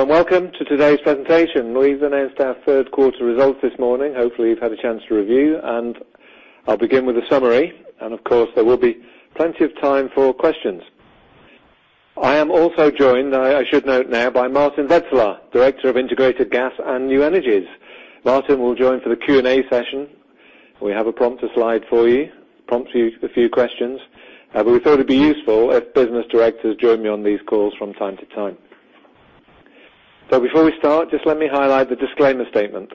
Well, welcome to today's presentation. We've announced our third quarter results this morning. Hopefully, you've had a chance to review, and I'll begin with a summary, and of course, there will be plenty of time for questions. I am also joined, I should note now, by Maarten Wetselaar, Director of Integrated Gas and New Energies. Maarten will join for the Q&A session. We have a prompter slide for you, prompt you with a few questions. We thought it'd be useful if business directors join me on these calls from time to time. Before we start, just let me highlight the disclaimer statement.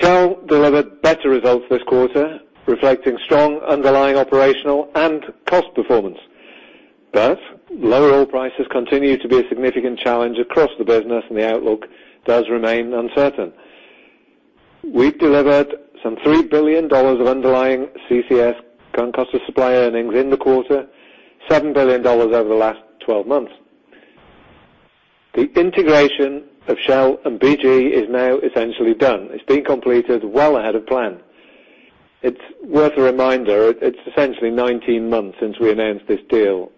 Shell delivered better results this quarter, reflecting strong underlying operational and cost performance. Lower oil prices continue to be a significant challenge across the business, and the outlook does remain uncertain. We've delivered some $3 billion of underlying CCS, current cost supply earnings in the quarter, $7 billion over the last 12 months. The integration of Shell and BG is now essentially done. It's been completed well ahead of plan. It's worth a reminder, it's essentially 19 months since we announced this deal.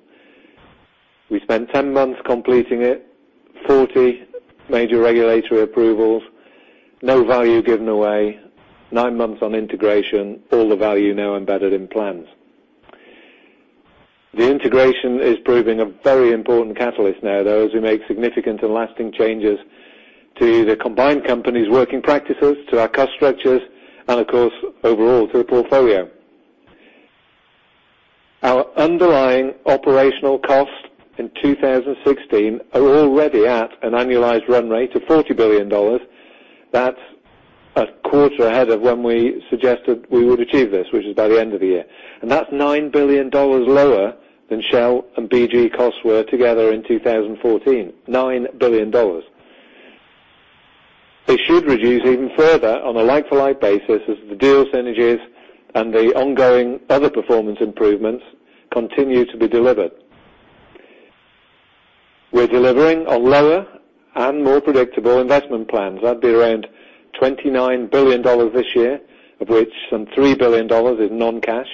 We spent 10 months completing it, 40 major regulatory approvals, no value given away, 9 months on integration, all the value now embedded in plans. The integration is proving a very important catalyst now, though, as we make significant and lasting changes to the combined company's working practices, to our cost structures, and of course, overall to the portfolio. Our underlying operational costs in 2016 are already at an annualized run rate of $40 billion. That's a quarter ahead of when we suggested we would achieve this, which is by the end of the year. That's $9 billion lower than Shell and BG costs were together in 2014, $9 billion. They should reduce even further on a like-for-like basis as the deal synergies and the ongoing other performance improvements continue to be delivered. We're delivering on lower and more predictable investment plans. That'd be around $29 billion this year, of which some $3 billion is non-cash.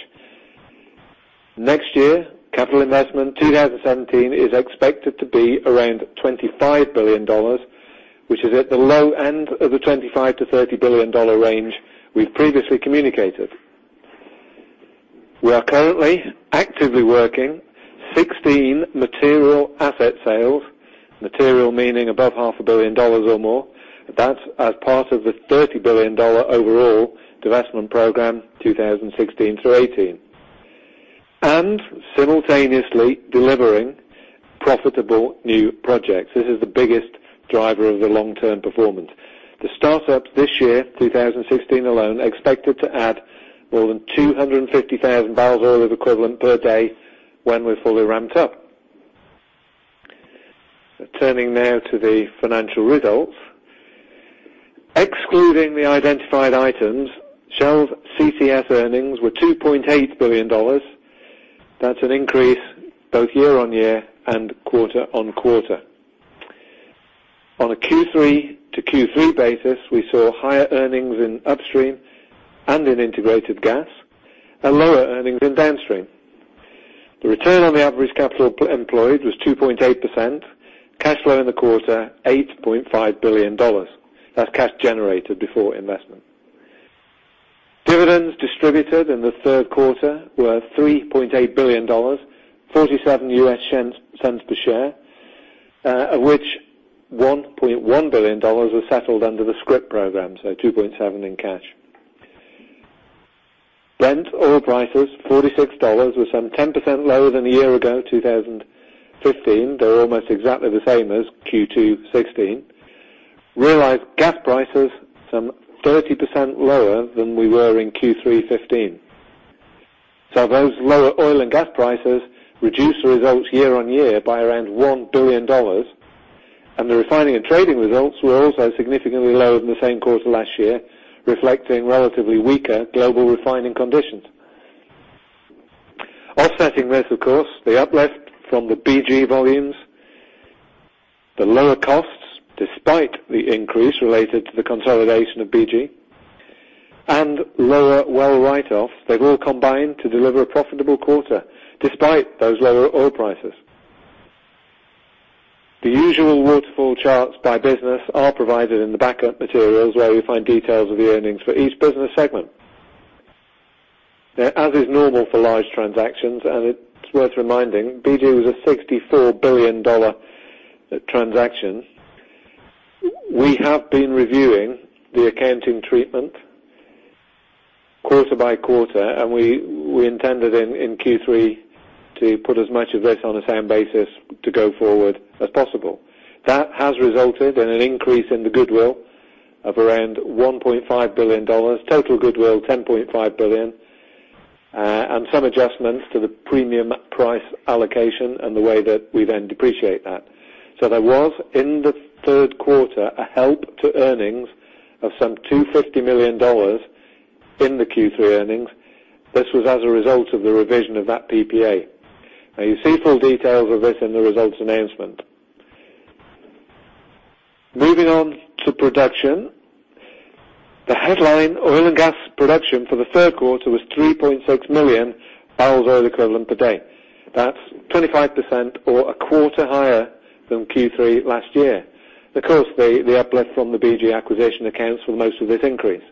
Next year, capital investment 2017 is expected to be around $25 billion, which is at the low end of the $25 billion-$30 billion range we've previously communicated. We are currently actively working 16 material asset sales, material meaning above half a billion dollars or more. That's as part of the $30 billion overall divestment program 2016 through 2018. Simultaneously delivering profitable new projects. This is the biggest driver of the long-term performance. The startups this year, 2016 alone, are expected to add more than 250,000 barrels oil equivalent per day when we're fully ramped up. Turning now to the financial results. Excluding the identified items, Shell's CCS earnings were $2.8 billion. That's an increase both year-on-year and quarter-on-quarter. On a Q3 to Q3 basis, we saw higher earnings in upstream and in integrated gas and lower earnings in downstream. The return on the average capital employed was 2.8%, cash flow in the quarter $8.5 billion. That's cash generated before investment. Dividends distributed in the third quarter were $3.8 billion, $0.47 per share, of which $1.1 billion was settled under the scrip program, so $2.7 billion in cash. Brent oil prices, $46 were some 10% lower than a year ago, 2015. They're almost exactly the same as Q2 2016. Realized gas prices, some 30% lower than we were in Q3 2015. Those lower oil and gas prices reduced the results year-over-year by around $1 billion, and the refining and trading results were also significantly lower than the same quarter last year, reflecting relatively weaker global refining conditions. Offsetting this, of course, the uplift from the BG volumes, the lower costs despite the increase related to the consolidation of BG, and lower well write-offs, they've all combined to deliver a profitable quarter despite those lower oil prices. The usual waterfall charts by business are provided in the backup materials where you'll find details of the earnings for each business segment. As is normal for large transactions, and it's worth reminding, BG was a $64 billion transaction. We have been reviewing the accounting treatment quarter by quarter, and we intended in Q3 to put as much of this on a same basis to go forward as possible. That has resulted in an increase in the goodwill of around $1.5 billion, total goodwill $10.5 billion, and some adjustments to the premium price allocation and the way that we then depreciate that. There was, in the third quarter, a help to earnings of some $250 million in the Q3 earnings. This was as a result of the revision of that PPA. You see full details of this in the results announcement. Moving on to production. The headline oil and gas production for the third quarter was 3.6 million barrels oil equivalent per day. That's 25% or a quarter higher than Q3 last year. Of course, the uplift from the BG acquisition accounts for most of this increase.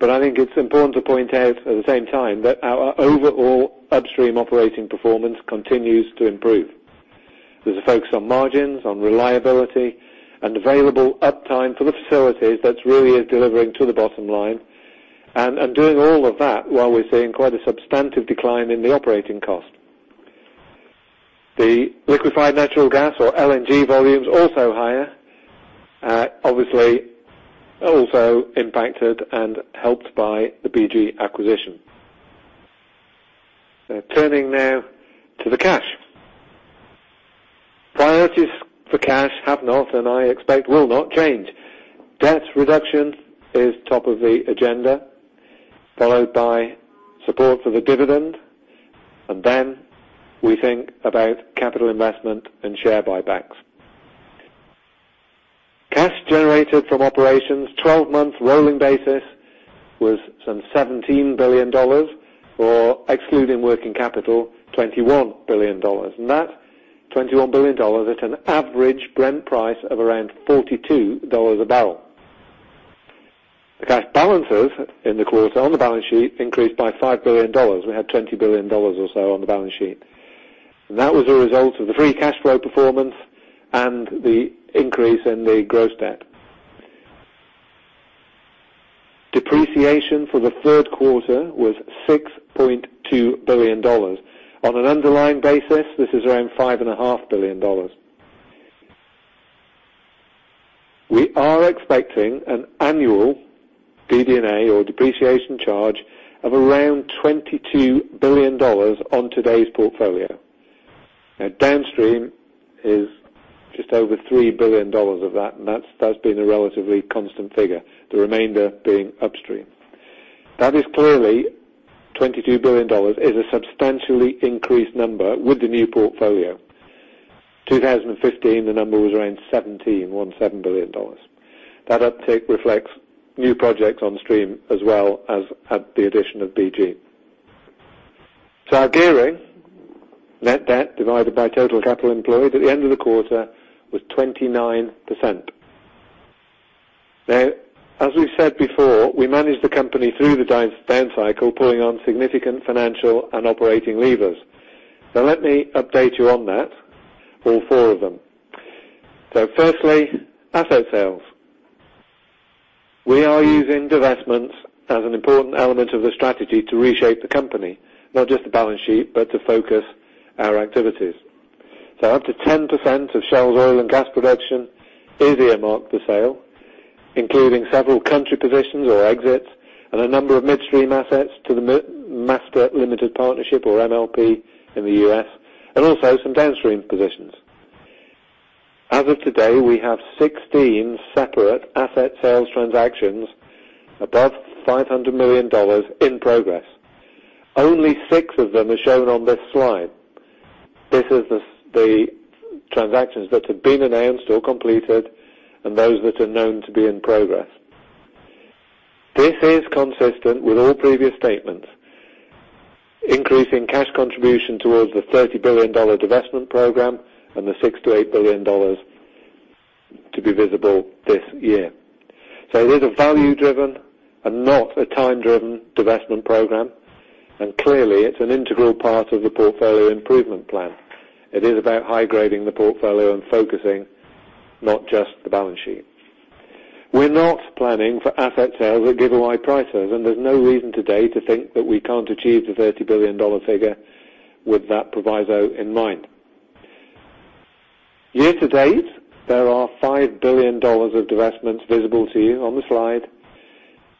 I think it's important to point out, at the same time, that our overall upstream operating performance continues to improve. There's a focus on margins, on reliability and available uptime for the facilities that really is delivering to the bottom line. Doing all of that while we're seeing quite a substantive decline in the operating cost. The liquefied natural gas or LNG volume is also higher, obviously also impacted and helped by the BG acquisition. Turning now to the cash. Priorities for cash have not and I expect will not change. Debt reduction is top of the agenda, followed by support for the dividend, then we think about capital investment and share buybacks. Cash generated from operations 12-month rolling basis was some $17 billion or excluding working capital, $21 billion. That $21 billion at an average Brent price of around $42 a barrel. The cash balances in the quarter on the balance sheet increased by $5 billion. We had $20 billion or so on the balance sheet. That was a result of the free cash flow performance and the increase in the gross debt. Depreciation for the third quarter was $6.2 billion. On an underlying basis, this is around $5.5 billion. We are expecting an annual DD&A or depreciation charge of around $22 billion on today's portfolio. Downstream is just over $3 billion of that, and that's been a relatively constant figure, the remainder being upstream. That is clearly $22 billion is a substantially increased number with the new portfolio. 2015, the number was around $17 billion. That uptick reflects new projects on stream as well as the addition of BG. Our gearing, net debt divided by total capital employed at the end of the quarter was 29%. As we've said before, we managed the company through the down cycle, pulling on significant financial and operating levers. Let me update you on that, all four of them. Firstly, asset sales. We are using divestments as an important element of the strategy to reshape the company, not just the balance sheet, but to focus our activities. Up to 10% of Shell's oil and gas production is earmarked for sale, including several country positions or exits and a number of midstream assets to the Master Limited Partnership or MLP in the U.S., and also some downstream positions. As of today, we have 16 separate asset sales transactions above $500 million in progress. Only six of them are shown on this slide. This is the transactions that have been announced or completed and those that are known to be in progress. This is consistent with all previous statements, increasing cash contribution towards the $30 billion divestment program and the $6 billion-$8 billion to be visible this year. It is a value-driven and not a time-driven divestment program, and clearly, it's an integral part of the portfolio improvement plan. It is about high-grading the portfolio and focusing not just the balance sheet. We're not planning for asset sales at giveaway prices, and there's no reason today to think that we can't achieve the $30 billion figure with that proviso in mind. Year to date, there are $5 billion of divestments visible to you on the slide,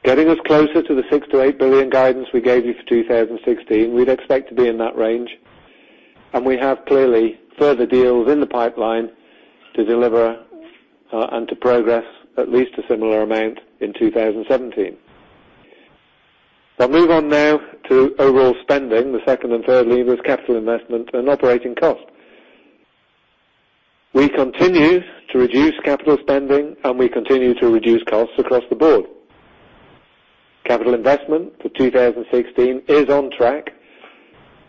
getting us closer to the $6 billion-$8 billion guidance we gave you for 2016. We'd expect to be in that range, and we have clearly further deals in the pipeline to deliver, and to progress at least a similar amount in 2017. I'll move on now to overall spending. The second and third lever is capital investment and operating cost. We continue to reduce capital spending, and we continue to reduce costs across the board. Capital investment for 2016 is on track,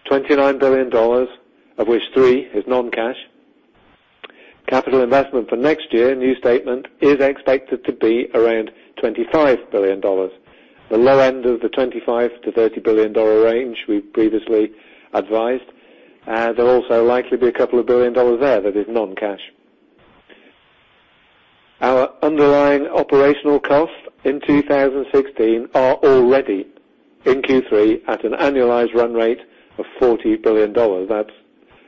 $29 billion, of which $3 billion is non-cash. Capital investment for next year, new statement, is expected to be around $25 billion. The low end of the $25 billion-$30 billion range we previously advised. There'll also likely be a couple of billion dollars there that is non-cash. Our underlying operational costs in 2016 are already in Q3 at an annualized run rate of $40 billion. That's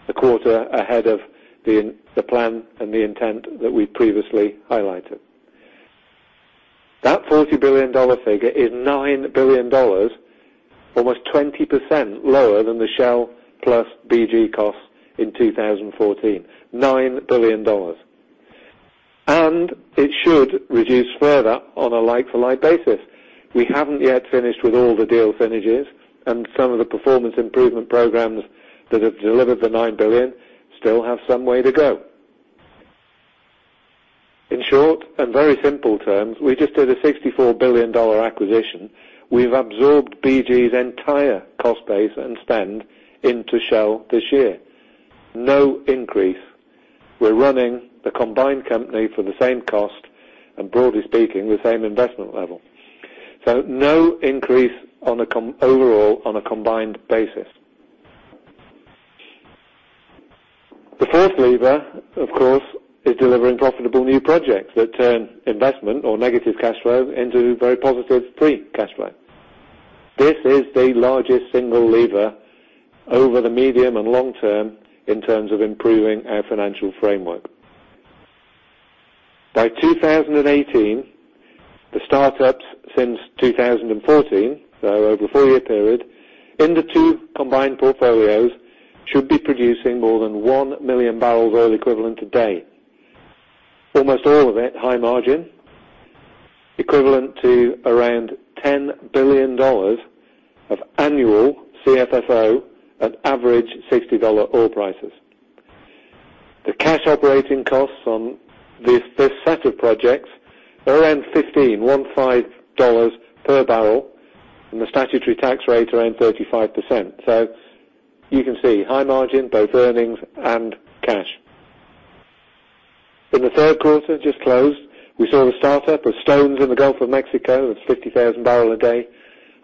a quarter ahead of the plan and the intent that we previously highlighted. That $40 billion figure is $9 billion, almost 20% lower than the Shell plus BG cost in 2014, $9 billion. It should reduce further on a like-for-like basis. We haven't yet finished with all the deal synergies and some of the performance improvement programs that have delivered the $9 billion still have some way to go. In short and very simple terms, we just did a $64 billion acquisition. We've absorbed BG's entire cost base and spend into Shell this year. No increase. We're running the combined company for the same cost and broadly speaking, the same investment level. No increase overall on a combined basis. The fourth lever, of course, is delivering profitable new projects that turn investment or negative cash flow into very positive free cash flow. This is the largest single lever over the medium and long term in terms of improving our financial framework. By 2018, the start-ups since 2014, so over a four-year period, in the two combined portfolios should be producing more than 1 million barrels oil equivalent a day. Almost all of it high margin, equivalent to $10 billion of annual CFFO at average $60 oil prices. The cash operating costs on this set of projects are $15 per barrel, and the statutory tax rate around 35%. You can see high margin, both earnings and cash. In the third quarter just closed, we saw the start-up of Stones in the Gulf of Mexico. That's 50,000 barrels a day,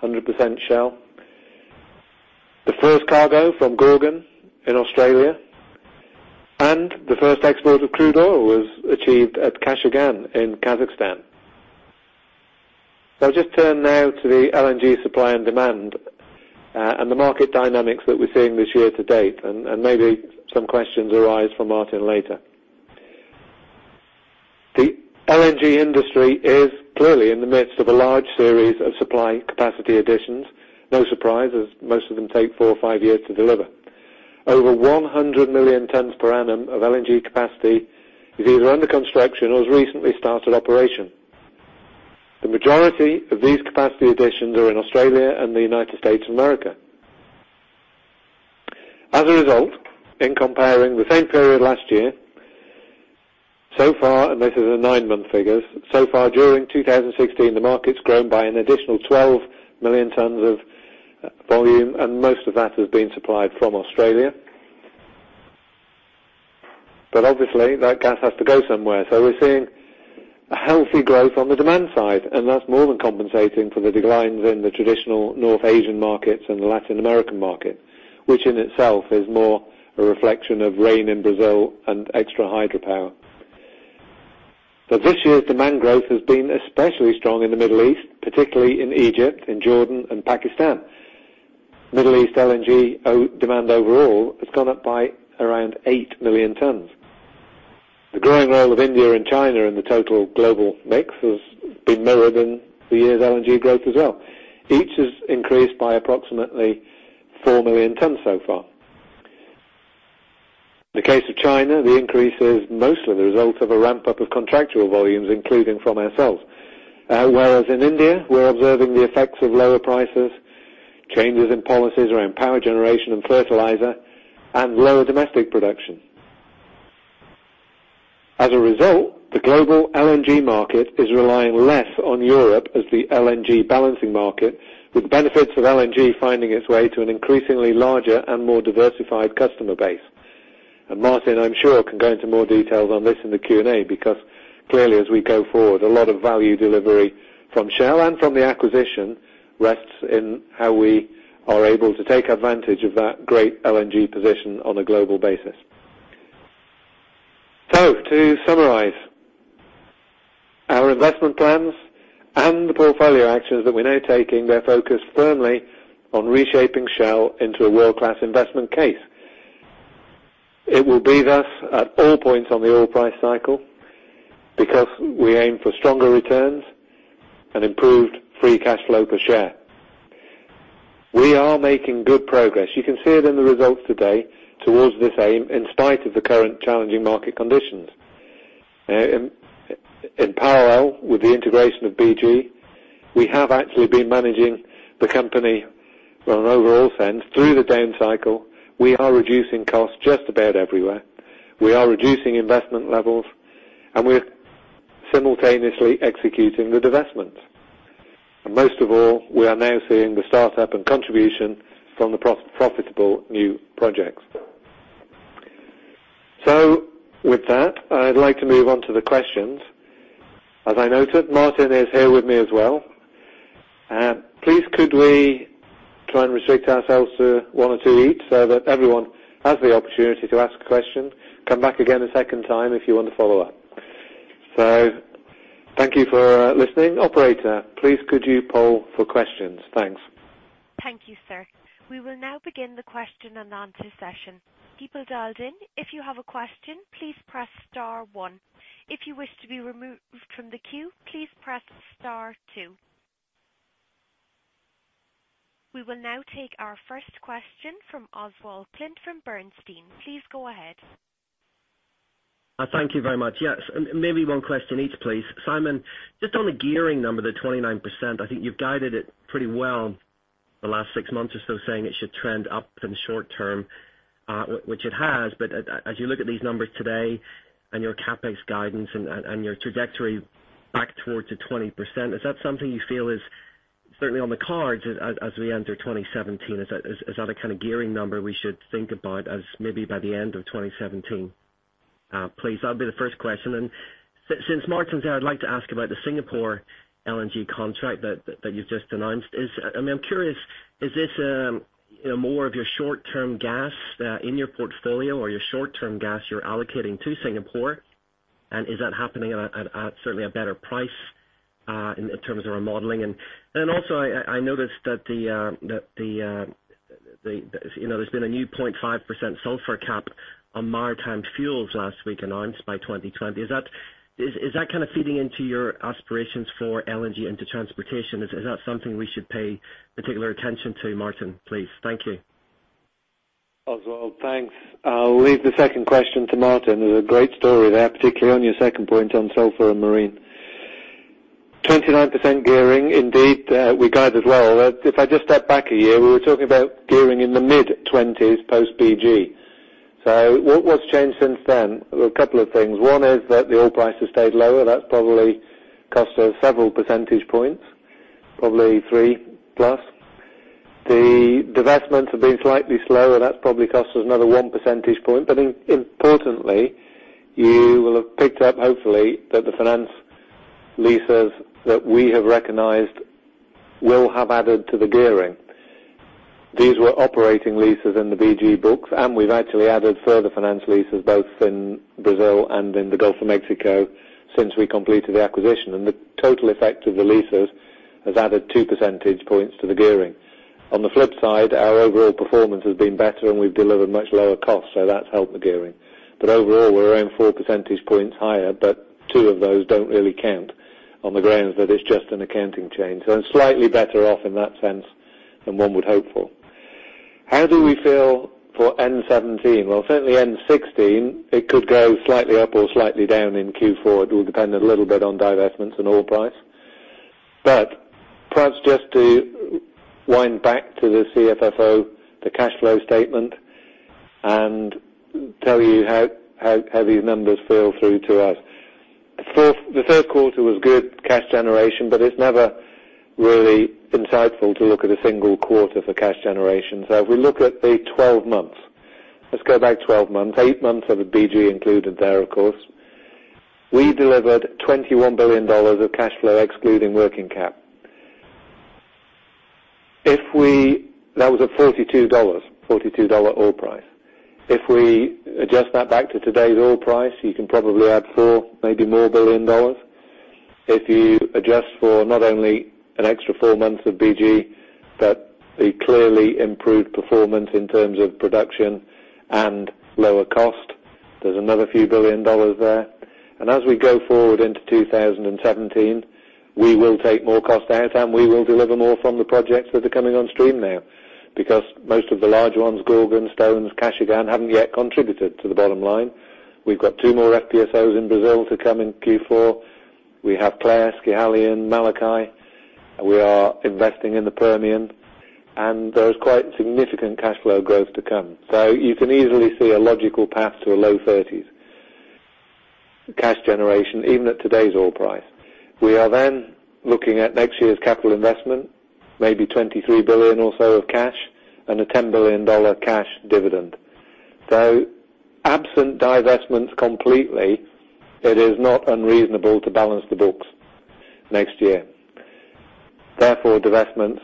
100% Shell. The first cargo from Gorgon in Australia, and the first export of crude oil was achieved at Kashagan in Kazakhstan. I'll just turn now to the LNG supply and demand, and the market dynamics that we're seeing this year to date, and maybe some questions arise from Marteen later. The LNG industry is clearly in the midst of a large series of supply capacity additions. No surprise, as most of them take four or five years to deliver. Over 100 million tons per annum of LNG capacity is either under construction or has recently started operation. The majority of these capacity additions are in Australia and the United States of America. A result, in comparing the same period last year, so far, and this is the nine-month figures, so far during 2016, the market's grown by an additional 12 million tons of volume, and most of that has been supplied from Australia. Obviously that gas has to go somewhere. We're seeing a healthy growth on the demand side, and that's more than compensating for the declines in the traditional North Asian markets and the Latin American market, which in itself is more a reflection of rain in Brazil and extra hydropower. This year's demand growth has been especially strong in the Middle East, particularly in Egypt, in Jordan and Pakistan. Middle East LNG demand overall has gone up by around eight million tons. The growing role of India and China in the total global mix has been mirrored in the year's LNG growth as well. Each has increased by approximately four million tons so far. In the case of China, the increase is mostly the result of a ramp-up of contractual volumes, including from ourselves, whereas in India, we're observing the effects of lower prices, changes in policies around power generation and fertilizer, and lower domestic production. A result, the global LNG market is relying less on Europe as the LNG balancing market, with the benefits of LNG finding its way to an increasingly larger and more diversified customer base. Martin, I'm sure, can go into more details on this in the Q&A because clearly, as we go forward, a lot of value delivery from Shell and from the acquisition rests in how we are able to take advantage of that great LNG position on a global basis. To summarize, our investment plans and the portfolio actions that we're now taking, they're focused firmly on reshaping Shell into a world-class investment case. It will be thus at all points on the oil price cycle because we aim for stronger returns and improved free cash flow per share. We are making good progress. You can see it in the results today towards this aim, in spite of the current challenging market conditions. In parallel with the integration of BG, we have actually been managing the company from an overall sense through the down cycle. We are reducing costs just about everywhere. We are reducing investment levels, and we're simultaneously executing the divestments. Most of all, we are now seeing the start-up and contribution from the profitable new projects. With that, I'd like to move on to the questions. As I noted, Maarten is here with me as well. Please could we try and restrict ourselves to one or two each so that everyone has the opportunity to ask a question? Come back again a second time if you want to follow up. Thank you for listening. Operator, please could you poll for questions? Thanks. Thank you, sir. We will now begin the question and answer session. People dialed in, if you have a question, please press star 1. If you wish to be removed from the queue, please press star 2. We will now take our first question from Oswald Clint from Bernstein. Please go ahead. Thank you very much. Yes. Maybe one question each, please. Simon, just on the gearing number, the 29%, I think you've guided it pretty well the last 6 months or so, saying it should trend up in the short term, which it has. As you look at these numbers today and your CapEx guidance and your trajectory back towards the 20%, is that something you feel is certainly on the cards as we enter 2017? Is that a kind of gearing number we should think about as maybe by the end of 2017? Please, that'd be the first question. Since Maarten's there, I'd like to ask about the Singapore LNG contract that you've just announced. I'm curious, is this more of your short-term gas in your portfolio or your short-term gas you're allocating to Singapore? Is that happening at certainly a better price, in terms of our modeling? Also, I noticed that there's been a new 5.5% sulfur cap on maritime fuels last week announced by 2020. Is that feeding into your aspirations for LNG into transportation? Is that something we should pay particular attention to, Maarten, please? Thank you. Oswald, thanks. I'll leave the second question to Maarten. There's a great story there, particularly on your second point on sulfur and marine. 29% gearing indeed, we guided well. If I just step back a year, we were talking about gearing in the mid-20s post-BG. What's changed since then? A couple of things. One is that the oil price has stayed lower. That's probably cost us several percentage points, probably 3+. The divestments have been slightly slower. That's probably cost us another 1 percentage point. Importantly, you will have picked up, hopefully, that the finance leases that we have recognized will have added to the gearing. These were operating leases in the BG books, and we've actually added further finance leases both in Brazil and in the Gulf of Mexico since we completed the acquisition. The total effect of the leases has added 2 percentage points to the gearing. On the flip side, our overall performance has been better and we've delivered much lower costs, that's helped the gearing. Overall, we're around 4 percentage points higher, but 2 of those don't really count on the grounds that it's just an accounting change. It's slightly better off in that sense than one would hope for. How do we feel for 2017? Well, certainly 2016, it could go slightly up or slightly down in Q4. It will depend a little bit on divestments and oil price. Perhaps just to wind back to the CFFO, the cash flow statement, and tell you how these numbers feel through to us. The third quarter was good cash generation, but it's never really insightful to look at a single quarter for cash generation. If we look at the 12 months. Let's go back 12 months, 8 months of the BG included there, of course. We delivered $21 billion of cash flow excluding working cap. That was a $42 oil price. If we adjust that back to today's oil price, you can probably add $4 billion, maybe more. If you adjust for not only an extra 4 months of BG, but the clearly improved performance in terms of production and lower cost, there's another few billion dollars there. As we go forward into 2017, we will take more cost out and we will deliver more from the projects that are coming on stream now, because most of the large ones, Gorgon, Stones, Kashagan, haven't yet contributed to the bottom line. We've got 2 more FPSOs in Brazil to come in Q4. We have Plaquemine, Malikai. We are investing in the Permian. There is quite significant cash flow growth to come. You can easily see a logical path to a low 30s cash generation, even at today's oil price. We are then looking at next year's capital investment, maybe $23 billion or so of cash and a $10 billion cash dividend. Absent divestments completely, it is not unreasonable to balance the books next year. Divestments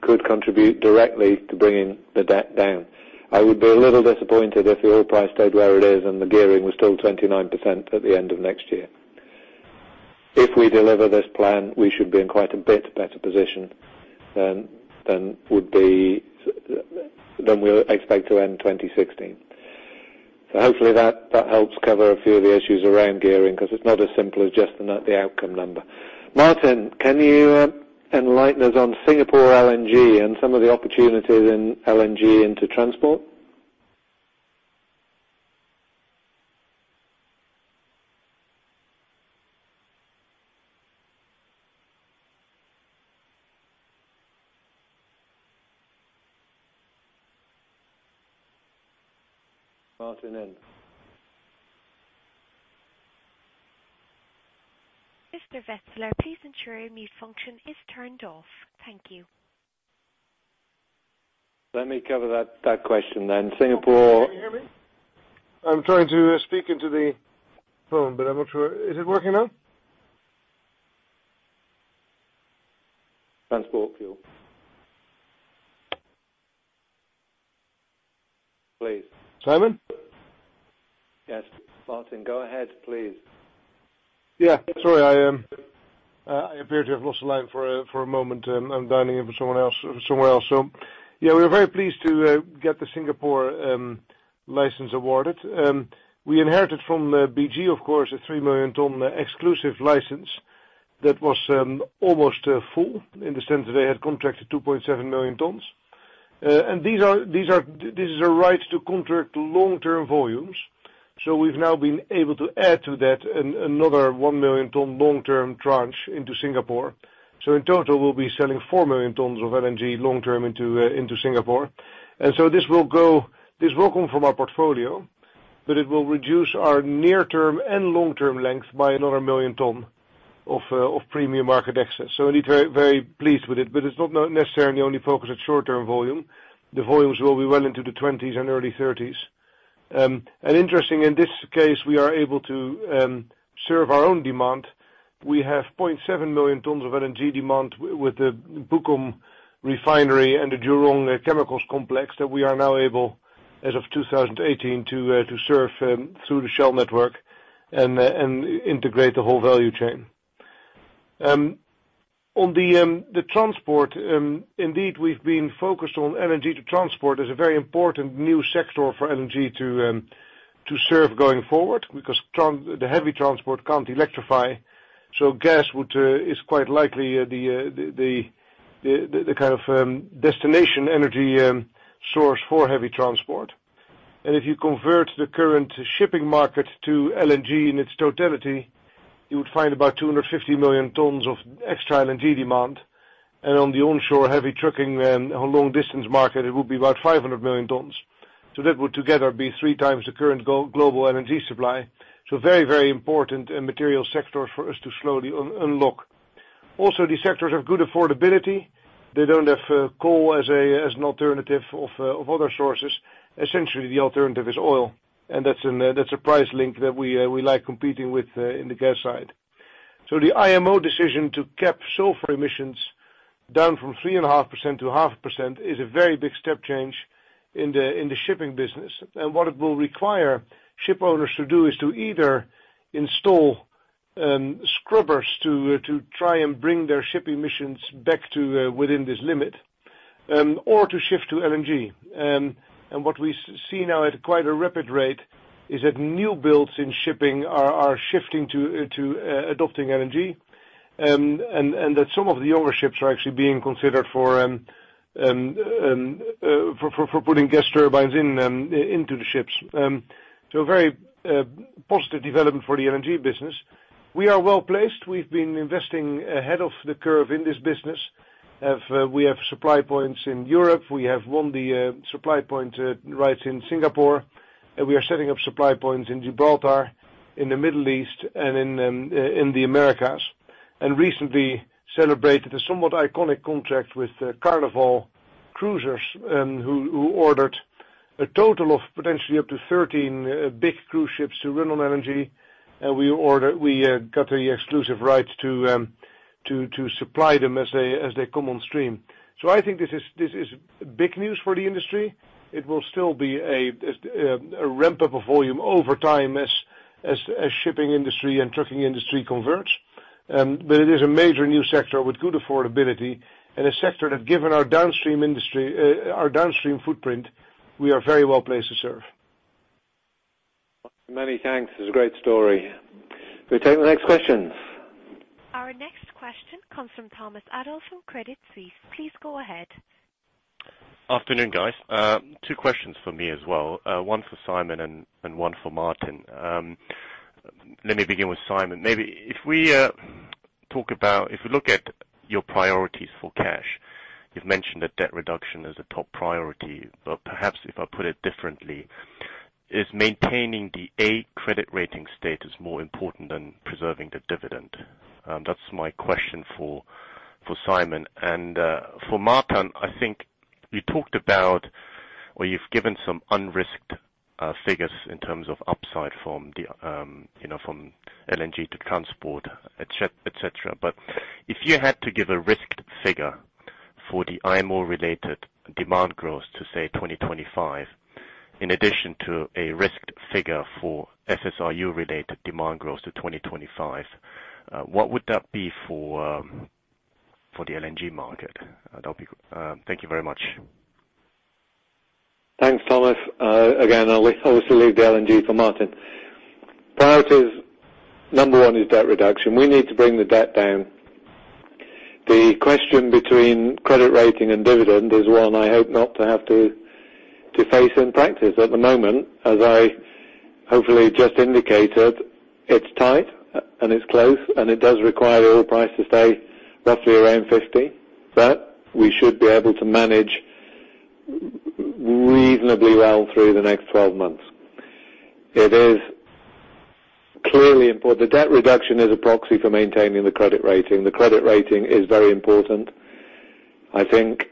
could contribute directly to bringing the debt down. I would be a little disappointed if the oil price stayed where it is and the gearing was still 29% at the end of next year. If we deliver this plan, we should be in quite a bit better position than we expect to end 2016. Hopefully that helps cover a few of the issues around gearing because it's not as simple as just the outcome number. Maarten, can you enlighten us on Singapore LNG and some of the opportunities in LNG into transport? Maarten, then. Mr. Wetselaar, please ensure mute function is turned off. Thank you. Let me cover that question then. Can you hear me? I'm trying to speak into the phone, but I'm not sure. Is it working now? Transport fuel. Please. Simon? Yes. Maarten, go ahead, please. Yeah. Sorry, I appear to have lost the line for a moment. I'm dialing in from somewhere else. We are very pleased to get the Singapore license awarded. We inherited from BG, of course, a 3 million tons exclusive license that was almost full in the sense that they had contracted 2.7 million tons. This is a right to contract long-term volumes. We've now been able to add to that another 1 million tons long-term tranche into Singapore. In total, we'll be selling 4 million tons of LNG long-term into Singapore. This will come from our portfolio, but it will reduce our near-term and long-term length by another 1 million tons of premium market access. Indeed, very pleased with it, but it's not necessarily only focused at short-term volume. The volumes will be well into the 20s and early 30s. Interesting, in this case, we are able to serve our own demand. We have 0.7 million tons of LNG demand with the Bukom Refinery and the Jurong Chemicals complex that we are now able, as of 2018, to serve through the Shell network and integrate the whole value chain. Indeed, we've been focused on LNG to transport as a very important new sector for LNG to serve going forward because the heavy transport can't electrify, so gas is quite likely the kind of destination energy source for heavy transport. If you convert the current shipping market to LNG in its totality, you would find about 250 million tons of extra LNG demand. On the onshore heavy trucking and long-distance market, it would be about 500 million tons. That would together be three times the current global LNG supply. Very important and material sector for us to slowly unlock. These sectors have good affordability. They don't have coal as an alternative of other sources. The alternative is oil, and that's a price link that we like competing with in the gas side. The IMO decision to cap sulfur emissions down from 3.5% to 0.5% is a very big step change in the shipping business. What it will require ship owners to do is to either install scrubbers to try and bring their shipping emissions back to within this limit, or to shift to LNG. What we see now at quite a rapid rate is that new builds in shipping are shifting to adopting LNG, and that some of the older ships are actually being considered for putting gas turbines into the ships. A very positive development for the LNG business. We are well-placed. We've been investing ahead of the curve in this business. We have supply points in Europe. We have won the supply point rights in Singapore, and we are setting up supply points in Gibraltar, in the Middle East, and in the Americas. Recently celebrated a somewhat iconic contract with Carnival Corporation, who ordered a total of potentially up to 13 big cruise ships to run on LNG. We got the exclusive rights to supply them as they come on stream. I think this is big news for the industry. It will still be a ramp-up of volume over time as shipping industry and trucking industry converts. It is a major new sector with good affordability and a sector that, given our downstream footprint, we are very well placed to serve. Many thanks. It's a great story. Can we take the next question? Our next question comes from Thomas Adolff from Credit Suisse. Please go ahead. Afternoon, guys. Two questions from me as well, one for Simon and one for Maarten. Let me begin with Simon. Maybe if we talk about, if we look at your priorities for cash, you've mentioned that debt reduction is a top priority. Perhaps if I put it differently, is maintaining the A credit rating status more important than preserving the dividend? That's my question for Simon. For Maarten, I think you talked about where you've given some unrisked figures in terms of upside from LNG to transport, et cetera. If you had to give a risked figure for the IMO-related demand growth to, say, 2025, in addition to a risked figure for FSRU-related demand growth to 2025, what would that be for the LNG market? Thank you very much. Thanks, Thomas. I'll obviously leave the LNG for Maarten. Priorities, number 1 is debt reduction. We need to bring the debt down. The question between credit rating and dividend is one I hope not to have to face in practice. At the moment, as I hopefully just indicated, it's tight and it's close, it does require the oil price to stay roughly around 50, we should be able to manage reasonably well through the next 12 months. It is clearly important. The debt reduction is a proxy for maintaining the credit rating. The credit rating is very important. I think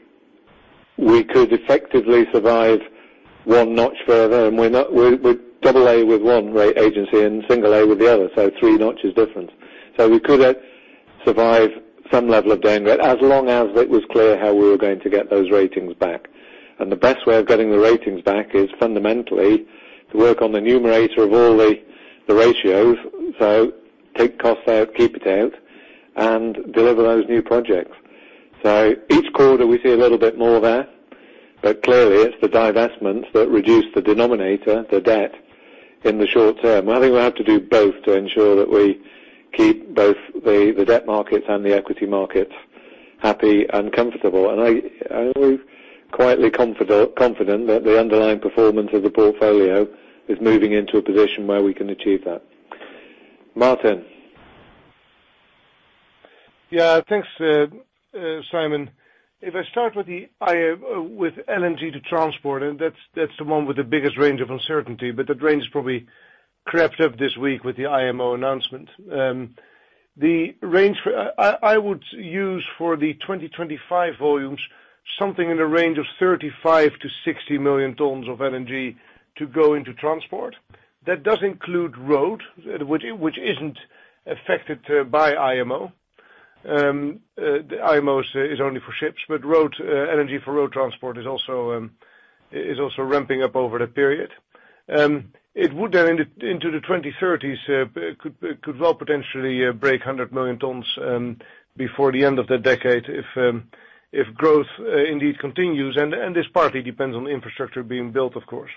we could effectively survive 1 notch further, we're double A with 1 rate agency and single A with the other, 3 notches different. We could survive some level of down rate, as long as it was clear how we were going to get those ratings back. The best way of getting the ratings back is fundamentally to work on the numerator of all the ratios. Take cost out, keep it out. Deliver those new projects. Each quarter we see a little bit more there, clearly it's the divestments that reduce the denominator, the debt in the short term. I think we'll have to do both to ensure that we keep both the debt markets and the equity markets happy and comfortable. I believe quietly confident that the underlying performance of the portfolio is moving into a position where we can achieve that. Maarten. Thanks, Simon. If I start with LNG to transport, that's the one with the biggest range of uncertainty, that range has probably crept up this week with the IMO announcement. The range I would use for the 2025 volumes, something in the range of 35-60 million tons of LNG to go into transport. That does include road which isn't affected by IMO. The IMO is only for ships, LNG for road transport is also ramping up over the period. It would then into the 2030s, could well potentially break 100 million tons before the end of the decade if growth indeed continues. This partly depends on the infrastructure being built, of course.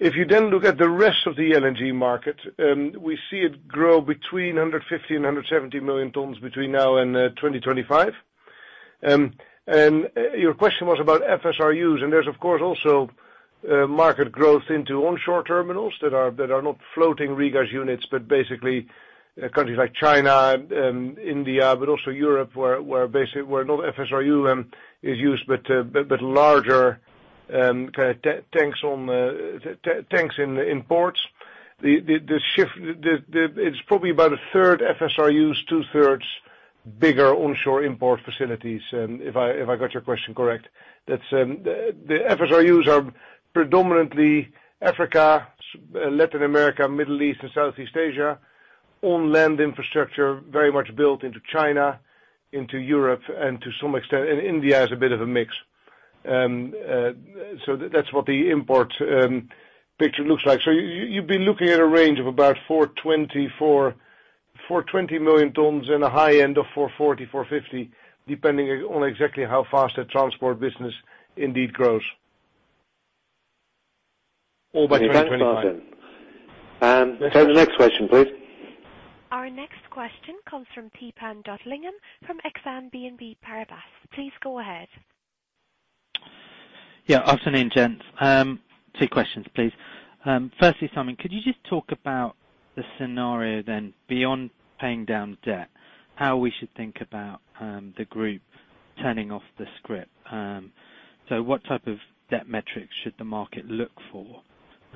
If you look at the rest of the LNG market, we see it grow between 150-170 million tons between now and 2025. Your question was about FSRUs, there's of course, also market growth into onshore terminals that are not floating regas units, but basically countries like China and India, but also Europe where not FSRU is used, but larger tanks in ports. It's probably about a third FSRUs, two thirds bigger onshore import facilities, if I got your question correct. The FSRUs are predominantly Africa, Latin America, Middle East and Southeast Asia. Land infrastructure, very much built into China, into Europe, and to some extent, India is a bit of a mix. That's what the import picture looks like. You'd be looking at a range of about 420 million tons and a high end of 440, 450, depending on exactly how fast the transport business indeed grows. All by 2025. Thanks, Maarten. The next question, please. Our next question comes from Tipan Dodlingham from Exane BNP Paribas. Please go ahead. Afternoon, gents. Two questions, please. Firstly, Simon, could you just talk about the scenario then beyond paying down debt, how we should think about the group turning off the scrip? What type of debt metrics should the market look for?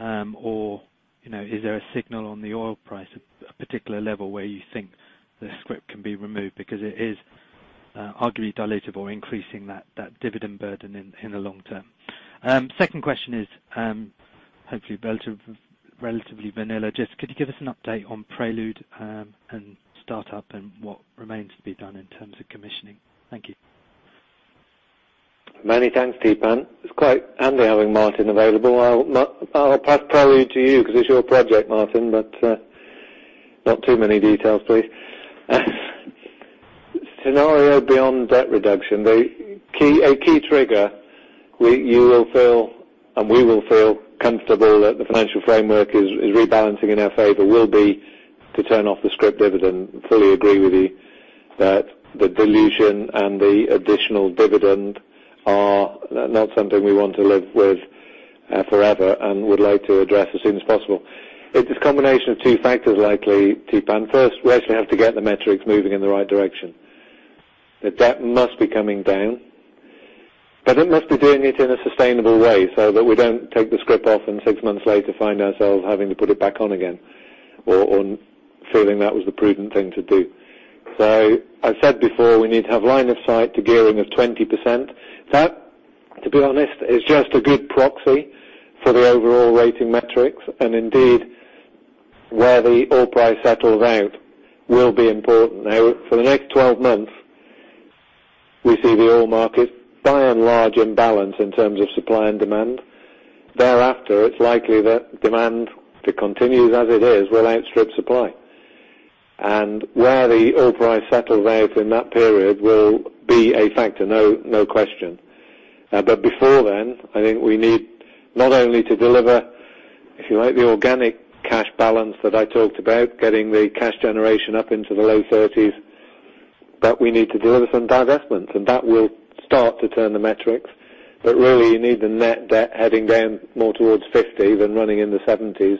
Or is there a signal on the oil price at a particular level where you think the scrip can be removed because it is arguably dilutive or increasing that dividend burden in the long term? Second question is, hopefully relatively vanilla. Just could you give us an update on Prelude and startup and what remains to be done in terms of commissioning? Thank you. Many thanks, Tipan. It's quite handy having Martin available. I'll pass Prelude to you because it's your project, Martin, but not too many details, please. Scenario beyond debt reduction. A key trigger, you will feel, and we will feel comfortable that the financial framework is rebalancing in our favor will be to turn off the scrip dividend. Fully agree with you that the dilution and the additional dividend are not something we want to live with forever and would like to address as soon as possible. It's this combination of two factors likely, Tipan. First, we actually have to get the metrics moving in the right direction. The debt must be coming down, but it must be doing it in a sustainable way so that we don't take the scrip off and six months later find ourselves having to put it back on again. Or feeling that was the prudent thing to do. I said before, we need to have line of sight to gearing of 20%. That, to be honest, is just a good proxy for the overall rating metrics. Indeed, where the oil price settles out will be important. Now for the next 12 months, we see the oil markets by and large in balance in terms of supply and demand. Thereafter, it's likely that demand, if it continues as it is, will outstrip supply. Where the oil price settles out in that period will be a factor, no question. Before then, I think we need not only to deliver, if you like, the organic cash balance that I talked about, getting the cash generation up into the low 30s, but we need to deliver some divestments. That will start to turn the metrics. Really you need the net debt heading down more towards 50 than running in the 70s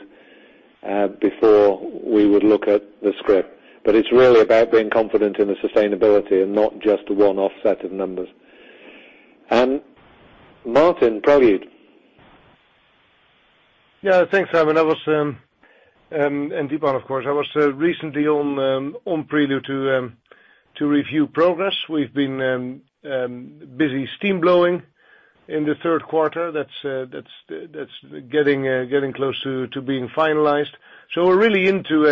before we would look at the scrip. It's really about being confident in the sustainability and not just a one-off set of numbers. Martin, Prelude. Thanks, Simon and Tipan, of course. I was recently on Prelude to review progress. We've been busy steam blowing in the third quarter. That's getting close to being finalized. We're really into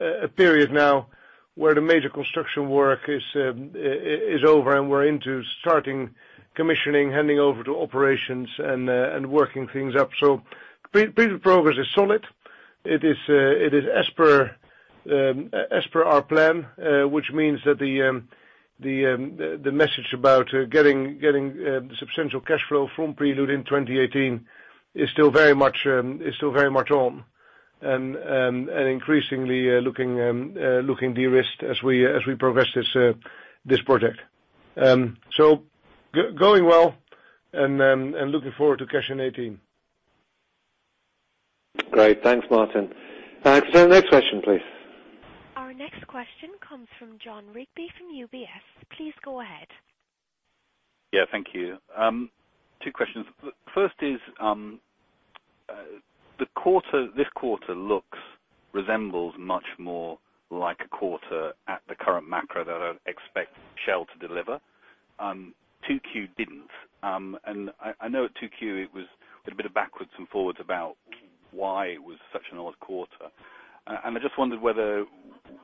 a period now where the major construction work is over, and we're into starting commissioning, handing over to operations, and working things up. Prelude progress is solid. It is as per our plan, which means that the message about getting substantial cash flow from Prelude in 2018 is still very much on, and increasingly looking de-risked as we progress this project. Going well and looking forward to cash in 2018. Great. Thanks, Maarten. Can I turn to the next question, please? Our next question comes from Jon Rigby from UBS. Please go ahead. Yeah, thank you. Two questions. First is, this quarter resembles much more like a quarter at the current macro that I expect Shell to deliver. 2Q didn't. I know at 2Q, it was a bit of backwards and forwards about why it was such an odd quarter. I just wondered whether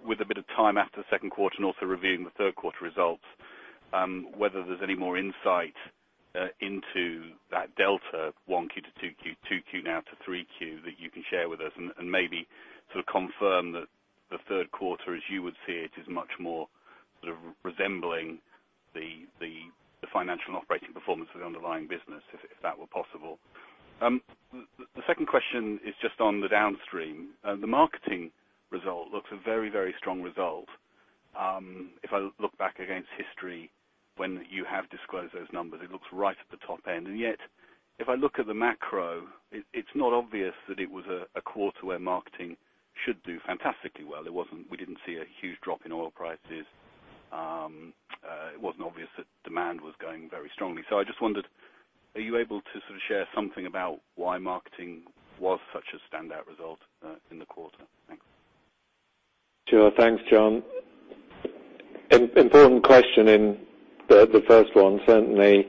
with a bit of time after the second quarter and also reviewing the third quarter results, whether there's any more insight into that delta, 1Q to 2Q now to 3Q, that you can share with us, and maybe sort of confirm that the third quarter, as you would see it, is much more sort of resembling the financial and operating performance of the underlying business, if that were possible. The second question is just on the downstream. The marketing result looks a very strong result. If I look back against history, when you have disclosed those numbers, it looks right at the top end. Yet, if I look at the macro, it's not obvious that it was a quarter where marketing should do fantastically well. We didn't see a huge drop in oil prices. It wasn't obvious that demand was going very strongly. I just wondered, are you able to sort of share something about why marketing was such a standout result in the quarter? Thanks. Sure. Thanks, Jon. Important question in the first one. Certainly,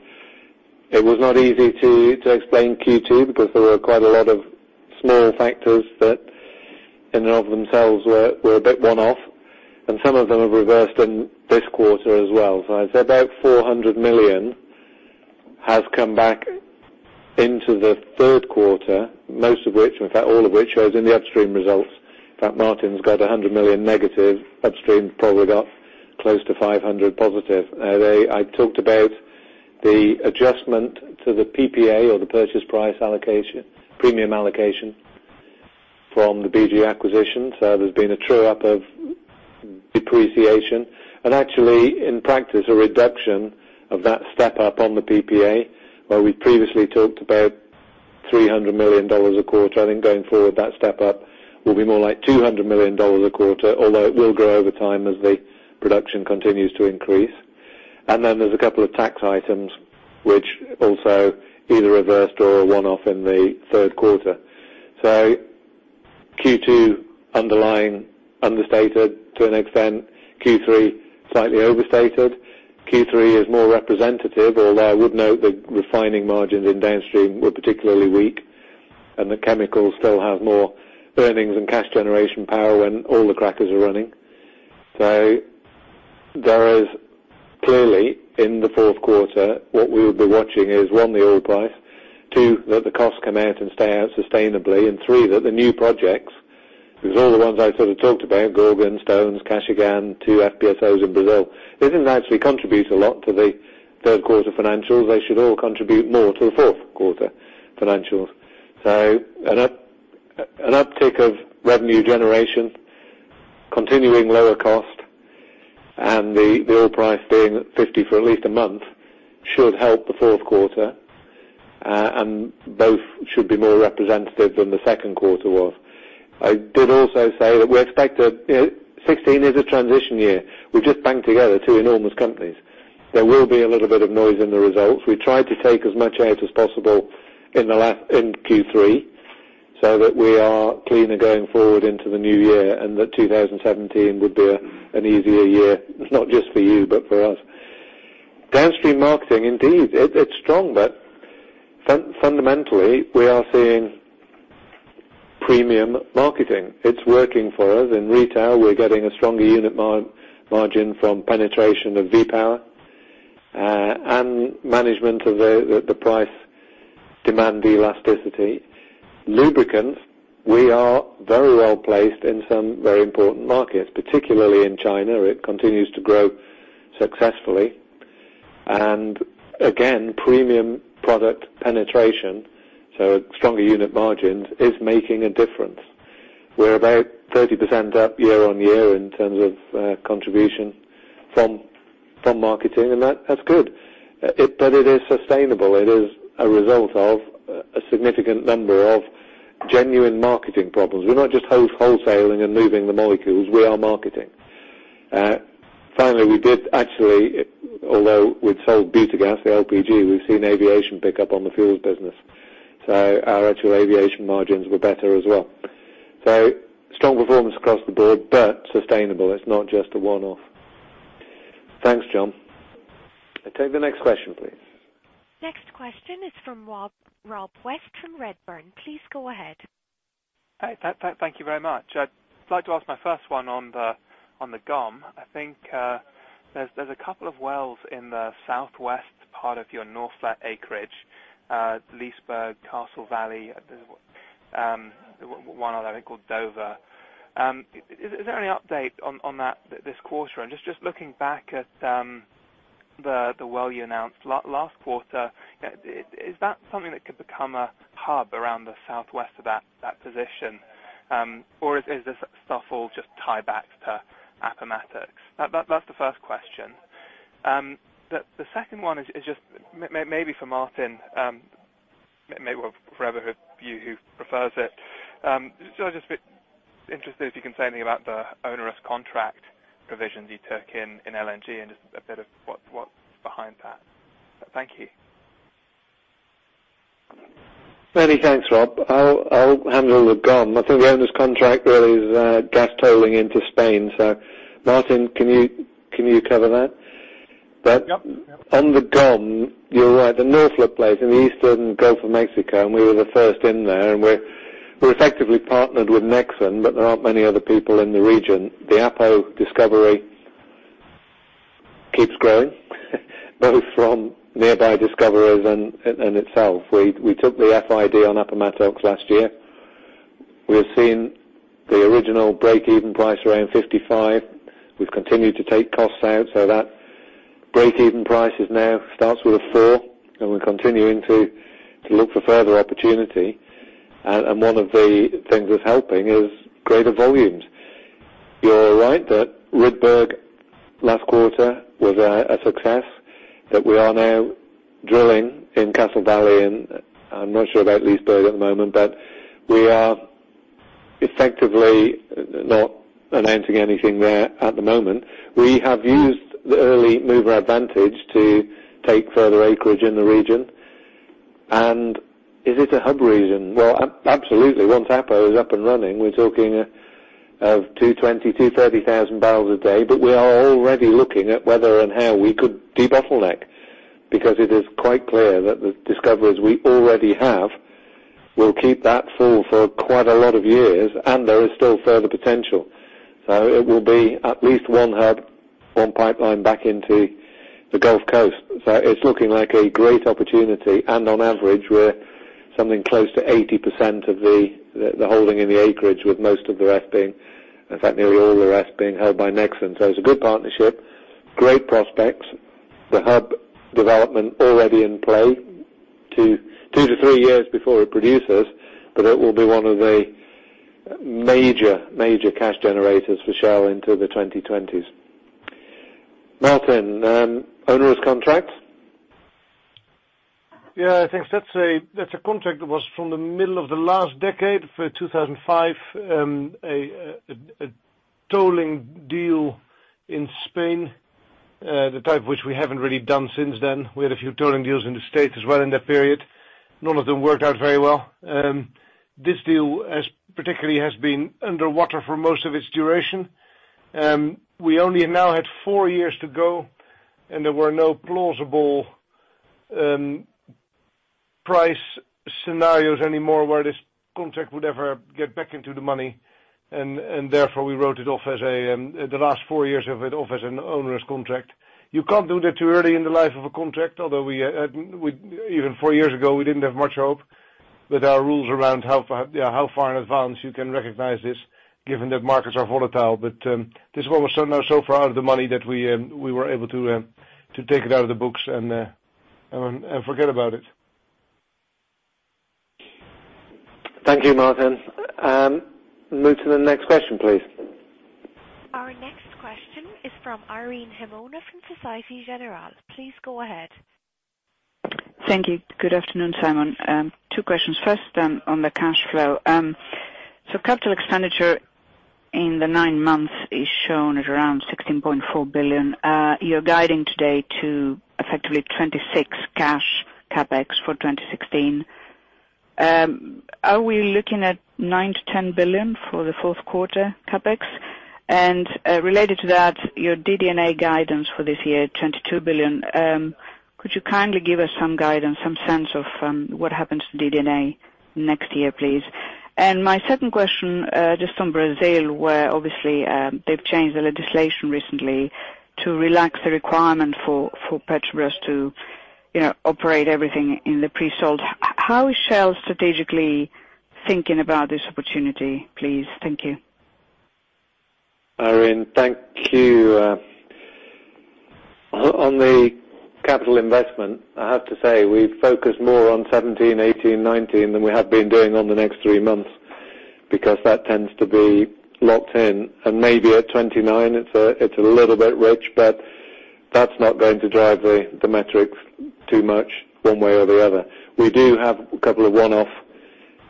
it was not easy to explain Q2 because there were quite a lot of small factors that in and of themselves were a bit one-off, and some of them have reversed in this quarter as well. I'd say about $400 million has come back into the third quarter, most of which, in fact, all of which, shows in the upstream results, that Maarten's got $100 million negative upstream, probably got close to $500 positive. I talked about the adjustment to the PPA or the purchase price allocation, premium allocation from the BG acquisition. Actually, in practice, a reduction of that step-up on the PPA, where we previously talked about $300 million a quarter. I think going forward, that step-up will be more like $200 million a quarter, although it will grow over time as the production continues to increase. There's a couple of tax items which also either reversed or are one-off in the third quarter. Q2 underlying understated to an extent, Q3 slightly overstated. Q3 is more representative, although I would note the refining margins in downstream were particularly weak and that chemicals still have more earnings and cash generation power when all the crackers are running. There is clearly in the fourth quarter, what we will be watching is, one, the oil price, two, that the costs come out and stay out sustainably, and three, that the new projects, because all the ones I sort of talked about, Gorgon, Stones, Kashagan, two FPSOs in Brazil. They didn't actually contribute a lot to the third quarter financials. They should all contribute more to the fourth quarter financials. An uptick of revenue generation, continuing lower cost, and the oil price being at $50 for at least a month should help the fourth quarter, and both should be more representative than the second quarter was. I did also say that we expect that 2016 is a transition year. We just banged together two enormous companies. There will be a little bit of noise in the results. We tried to take as much out as possible in Q3 so that we are cleaner going forward into the new year, and that 2017 would be an easier year, not just for you, but for us. Downstream marketing, indeed, it's strong, but fundamentally, we are seeing premium marketing. It's working for us. In retail, we're getting a stronger unit margin from penetration of V-Power, and management of the price demand elasticity. Lubricants, we are very well-placed in some very important markets, particularly in China. It continues to grow successfully. Again, premium product penetration, stronger unit margins, is making a difference. We're about 30% up year-on-year in terms of contribution from marketing, and that's good. It is sustainable. It is a result of a significant number of genuine marketing problems. We're not just wholesaling and moving the molecules. We are marketing. Finally, we did actually, although we'd sold Butagaz, the LPG, we've seen aviation pick up on the fuels business. Our actual aviation margins were better as well. Strong performance across the board, but sustainable. It's not just a one-off. Thanks, Jon. Take the next question, please. Next question is from Rob West, Redburn. Please go ahead. Hi, thank you very much. I'd like to ask my first one on the GOM. I think there's a couple of wells in the southwest part of your Norphlet acreage, Leesburg, Castle Valley. There's one other, I think, called Dover. Is there any update on that this quarter? And just looking back at the well you announced last quarter, is that something that could become a hub around the southwest of that position? Or is this stuff all just tiebacks to Appomattox? That's the first question. The second one is just maybe for Maarten, maybe for whoever you who prefers it. I'm just a bit interested if you can say anything about the onerous contract provisions you took in LNG and just a bit of what's behind that. Thank you. Many thanks, Rob. I'll handle the GOM. I think the onerous contract really is gas tolling into Spain. Maarten, can you cover that? Yep. On the GOM, you're right. The Norphlet play is in the eastern Gulf of Mexico, and we were the first in there, and we're effectively partnered with Nexen, but there aren't many other people in the region. The APO discovery keeps growing, both from nearby discoveries and in itself. We took the FID on Appomattox last year. We've seen the original break-even price around $55. We've continued to take costs out, so that break-even price now starts with a four, and we're continuing to look for further opportunity. One of the things that's helping is greater volumes. You're right that Rydberg last quarter was a success, that we are now drilling in Castle Valley, and I'm not sure about Leesburg at the moment, but we are effectively not announcing anything there at the moment. We have used the early mover advantage to take further acreage in the region. Is it a hub region? Well, absolutely. Once APO is up and running, we're talking of 220,000-230,000 barrels a day, but we are already looking at whether and how we could debottleneck, because it is quite clear that the discoveries we already have will keep that full for quite a lot of years, and there is still further potential. It will be at least one hub, one pipeline back into the Gulf Coast. It's looking like a great opportunity. On average, we're something close to 80% of the holding in the acreage, with most of the rest being, in fact, nearly all the rest being held by Nexen. It's a good partnership, great prospects. The hub development already in play, 2 to 3 years before it produces, but it will be one of the major cash generators for Shell into the 2020s. Maarten, onerous contract? Yeah, I think that's a contract that was from the middle of the last decade, for 2005, a tolling deal in Spain, the type which we haven't really done since then. We had a few tolling deals in the U.S. as well in that period. None of them worked out very well. This deal particularly has been underwater for most of its duration. We only have now had 4 years to go, there were no plausible price scenarios anymore where this contract would ever get back into the money, therefore, we wrote it off, the last 4 years of it, off as an onerous contract. You can't do that too early in the life of a contract, although even 4 years ago, we didn't have much hope. There are rules around how far in advance you can recognize this, given that markets are volatile. this one was now so far out of the money that we were able to take it out of the books and forget about it. Thank you, Maarten. Move to the next question, please. Our next question is from Irene Himona from Societe Generale. Please go ahead. Thank you. Good afternoon, Simon. Two questions. First, on the cash flow. Capital expenditure in the nine months is shown at around $16.4 billion. You're guiding today to effectively $26 cash CapEx for 2016. Are we looking at $9 billion-$10 billion for the fourth quarter CapEx? Related to that, your DD&A guidance for this year, $22 billion. Could you kindly give us some guidance, some sense of what happens to DD&A next year, please? My second question, just on Brazil, where obviously they've changed the legislation recently to relax the requirement for Petrobras to operate everything in the pre-salt. How is Shell strategically thinking about this opportunity, please? Thank you. Irene, thank you. On the capital investment, I have to say, we focus more on 2017, 2018, 2019 than we have been doing on the next 3 months, because that tends to be locked in. Maybe at 29, it's a little bit rich, but that's not going to drive the metrics too much one way or the other. We do have a couple of one-off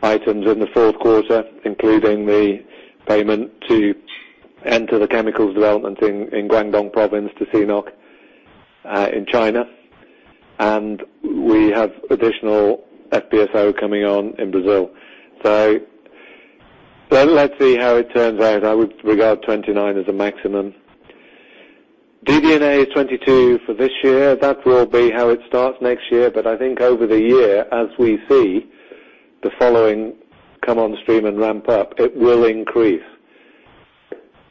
items in the fourth quarter, including the payment to enter the chemicals development in Guangdong province to CNOOC in China. We have additional FPSO coming on in Brazil. Let's see how it turns out. I would regard 29 as a maximum. DD&A is 22 for this year. That will be how it starts next year. I think over the year, as we see the following come on stream and ramp up, it will increase.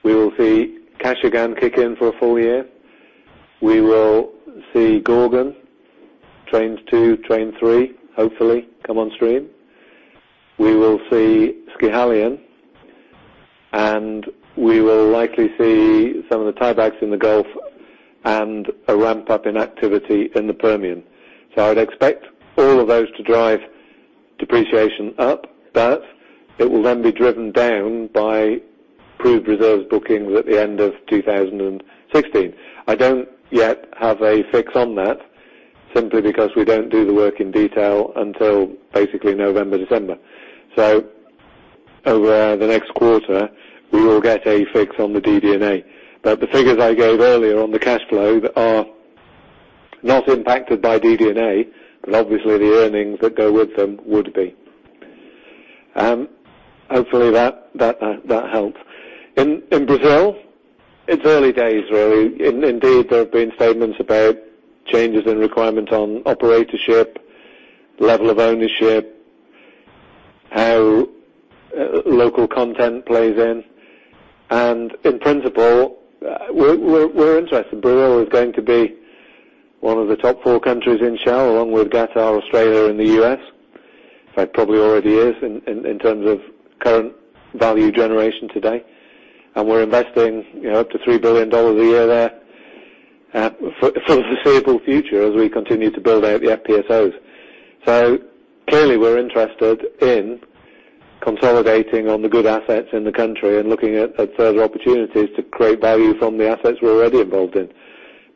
We will see Kashagan kick in for a full year. We will see Gorgon, Trains 2, 3, hopefully come on stream. We will see Sakhalin, we will likely see some of the tiebacks in the Gulf and a ramp-up in activity in the Permian. I'd expect all of those to drive depreciation up, but it will then be driven down by proved reserves bookings at the end of 2016. I don't yet have a fix on that, simply because we don't do the work in detail until basically November, December. Over the next quarter, we will get a fix on the DD&A. The figures I gave earlier on the cash flow are not impacted by DD&A, but obviously the earnings that go with them would be. Hopefully, that helps. In Brazil, it's early days, really. Indeed, there have been statements about changes in requirements on operatorship, level of ownership, how local content plays in. In principle, we're interested. Brazil is going to be one of the top 4 countries in Shell, along with Qatar, Australia, and the U.S. In fact, probably already is in terms of current value generation today. We're investing up to $3 billion a year there for the foreseeable future as we continue to build out the FPSOs. Clearly we're interested in consolidating on the good assets in the country and looking at further opportunities to create value from the assets we're already involved in.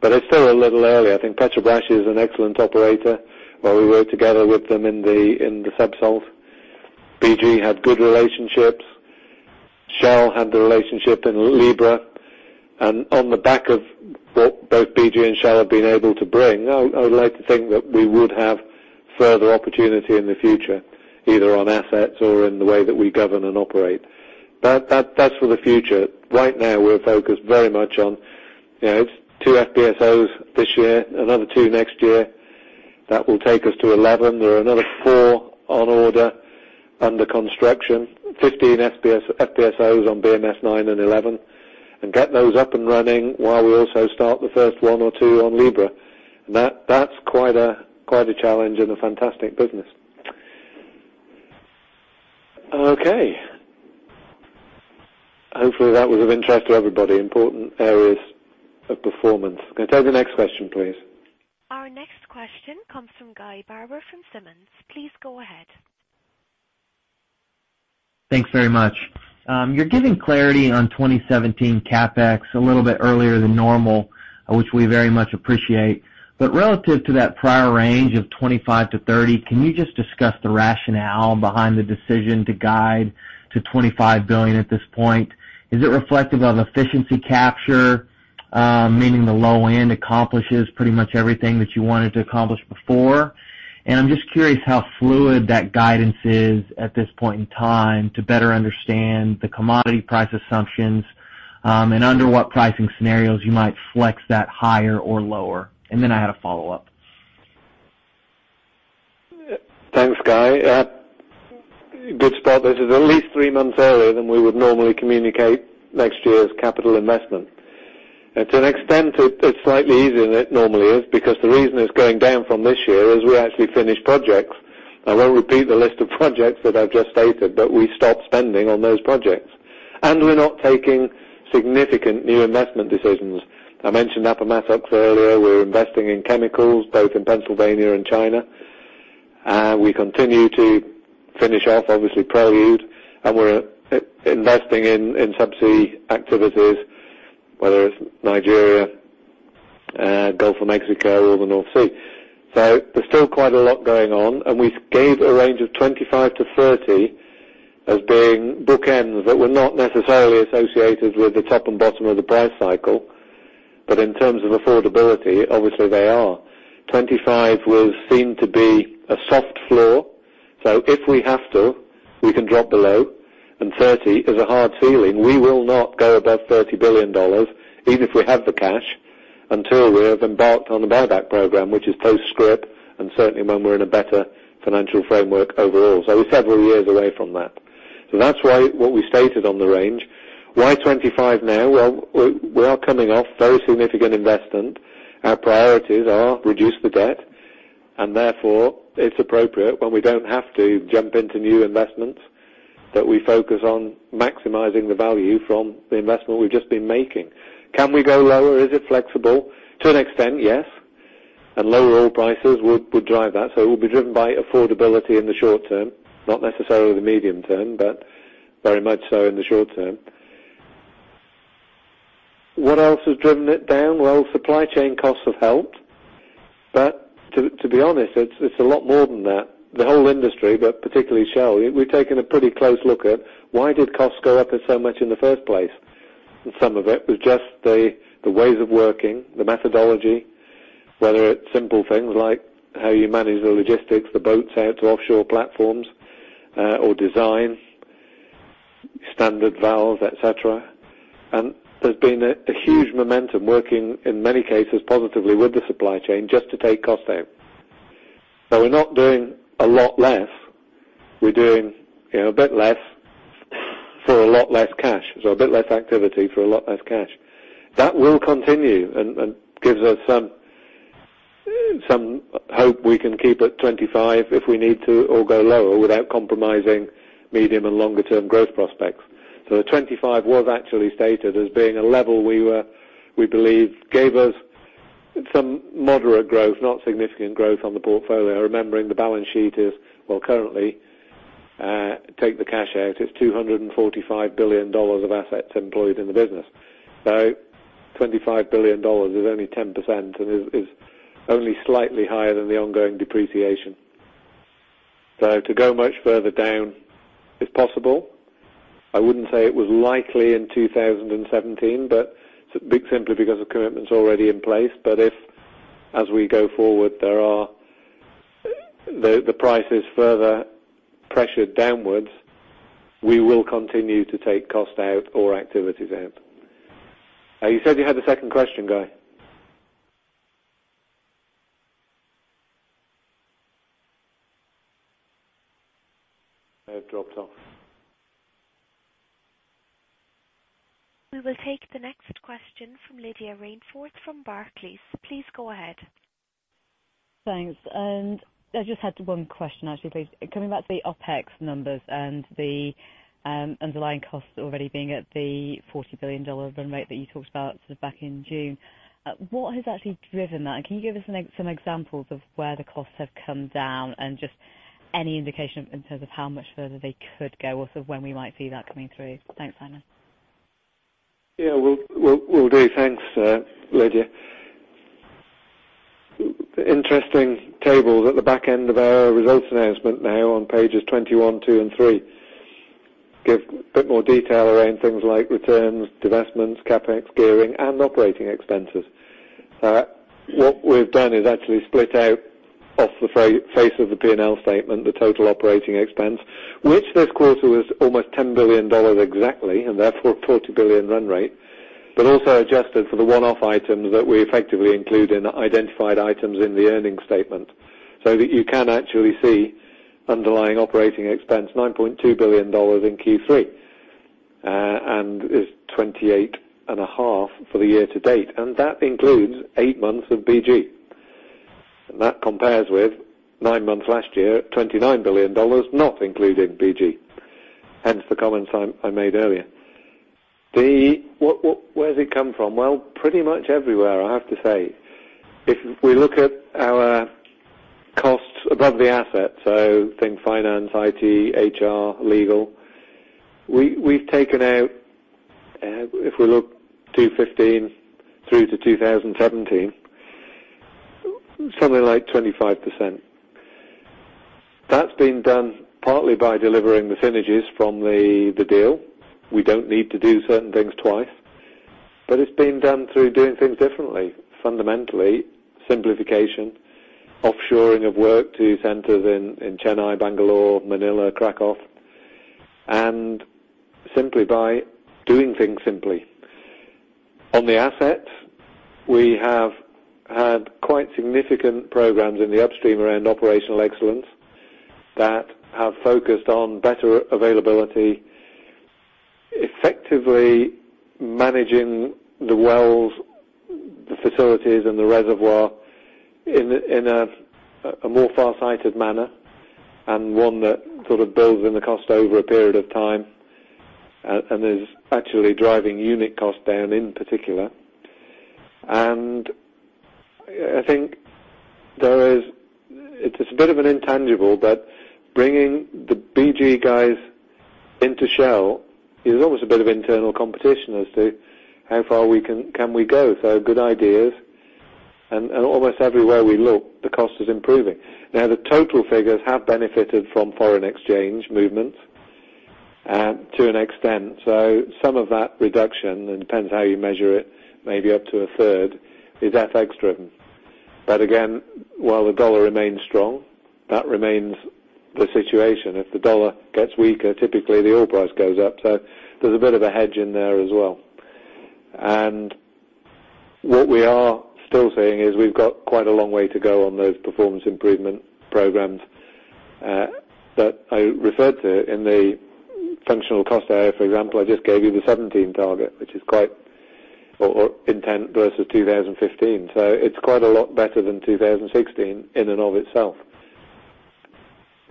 It's still a little early. I think Petrobras is an excellent operator, while we work together with them in the pre-salt. BG had good relationships. Shell had the relationship in Libra. On the back of what both BG and Shell have been able to bring, I would like to think that we would have further opportunity in the future, either on assets or in the way that we govern and operate. That's for the future. Right now, we're focused very much on, it's 2 FPSOs this year, another 2 next year. That will take us to 11. There are another 4 on order, under construction. 15 FPSOs on BM-S-9 and 11, and get those up and running while we also start the first 1 or 2 on Libra. That's quite a challenge and a fantastic business. Okay. Hopefully, that was of interest to everybody, important areas of performance. Can I take the next question, please? Our next question comes from Guy Barber from Simmons. Please go ahead. Thanks very much. You're giving clarity on 2017 CapEx a little bit earlier than normal, which we very much appreciate. Relative to that prior range of 25-30, can you just discuss the rationale behind the decision to guide to $25 billion at this point? Is it reflective of efficiency capture? Meaning the low end accomplishes pretty much everything that you wanted to accomplish before. I'm just curious how fluid that guidance is at this point in time to better understand the commodity price assumptions, and under what pricing scenarios you might flex that higher or lower. I had a follow-up. Thanks, Guy. Good spot. This is at least three months earlier than we would normally communicate next year's capital investment. To an extent, it's slightly easier than it normally is because the reason it's going down from this year is we actually finished projects. I won't repeat the list of projects that I've just stated, we stopped spending on those projects. We're not taking significant new investment decisions. I mentioned Appomattox earlier. We're investing in chemicals, both in Pennsylvania and China. We continue to finish off, obviously, Prelude, we're investing in subsea activities, whether it's Nigeria, Gulf of Mexico, or the North Sea. There's still quite a lot going on. We gave a range of 25-30 as being bookends that were not necessarily associated with the top and bottom of the price cycle. In terms of affordability, obviously they are. 25 was seen to be a soft floor. If we have to, we can drop below, and 30 is a hard ceiling. We will not go above $30 billion, even if we have the cash, until we have embarked on the buyback program, which is post-script, and certainly when we're in a better financial framework overall. We're several years away from that. That's why what we stated on the range. Why 25 now? Well, we are coming off very significant investment. Our priorities are reduce the debt, and therefore it's appropriate when we don't have to jump into new investments, that we focus on maximizing the value from the investment we've just been making. Can we go lower? Is it flexible? To an extent, yes. Lower oil prices would drive that. It will be driven by affordability in the short term, not necessarily the medium term, but very much so in the short term. What else has driven it down? Well, supply chain costs have helped. To be honest, it's a lot more than that. The whole industry, but particularly Shell, we've taken a pretty close look at why did costs go up so much in the first place? Some of it was just the ways of working, the methodology. Whether it's simple things like how you manage the logistics, the boats out to offshore platforms, or design standard valves, et cetera. There's been a huge momentum working in many cases positively with the supply chain just to take cost out. We're not doing a lot less. We're doing a bit less for a lot less cash. A bit less activity for a lot less cash. That will continue and gives us some hope we can keep at $25 billion if we need to, or go lower without compromising medium and longer term growth prospects. The $25 billion was actually stated as being a level we believe gave us some moderate growth, not significant growth on the portfolio. Remembering the balance sheet is, well currently, take the cash out, it's $245 billion of assets employed in the business. $25 billion is only 10% and is only slightly higher than the ongoing depreciation. To go much further down is possible. I wouldn't say it was likely in 2017, simply because of commitments already in place. If, as we go forward, the price is further pressured downwards, we will continue to take cost out or activities out. You said you had a second question, Guy? It dropped off. We will take the next question from Lydia Rainforth from Barclays. Please go ahead. Thanks. I just had one question, actually, please. Coming back to the OpEx numbers and the underlying costs already being at the $40 billion run rate that you talked about back in June, what has actually driven that? Can you give us some examples of where the costs have come down and just any indication in terms of how much further they could go, or when we might see that coming through? Thanks, Simon. Yeah, will do. Thanks, Lydia. Interesting tables at the back end of our results announcement now on pages 21, 22, and 23 give a bit more detail around things like returns, divestments, CapEx, gearing, and operating expenses. What we've done is actually split out off the face of the P&L statement, the total operating expense, which this quarter was almost $10 billion exactly, and therefore $40 billion run rate. Also adjusted for the one-off items that we effectively include in identified items in the earnings statement, so that you can actually see underlying operating expense, $9.2 billion in Q3. Is $28.5 billion for the year to date. That includes eight months of BG. That compares with nine months last year at $29 billion, not including BG, hence the comments I made earlier. Where has it come from? Well, pretty much everywhere, I have to say. If we look at our costs above the asset, so think finance, IT, HR, legal, we've taken out, if we look 2015 through to 2017, something like 25%. That's been done partly by delivering the synergies from the deal. We don't need to do certain things twice. It's been done through doing things differently, fundamentally, simplification, offshoring of work to centers in Chennai, Bangalore, Manila, Krakow, and simply by doing things simply. On the assets, we have had quite significant programs in the upstream around operational excellence that have focused on better availability, effectively managing the wells, the facilities and the reservoir in a more farsighted manner, and one that builds in the cost over a period of time, and is actually driving unit cost down in particular. I think it's a bit of an intangible, but bringing the BG guys into Shell is almost a bit of internal competition as to how far can we go. Good ideas. Almost everywhere we look, the cost is improving. The total figures have benefited from foreign exchange movements to an extent. So some of that reduction, it depends how you measure it, maybe up to a third, is FX-driven. Again, while the dollar remains strong, that remains the situation. If the dollar gets weaker, typically the oil price goes up. There's a bit of a hedge in there as well. What we are still seeing is we've got quite a long way to go on those performance improvement programs that I referred to in the functional cost area. For example, I just gave you the 2017 target, which is quite intent versus 2015. It's quite a lot better than 2016 in and of itself.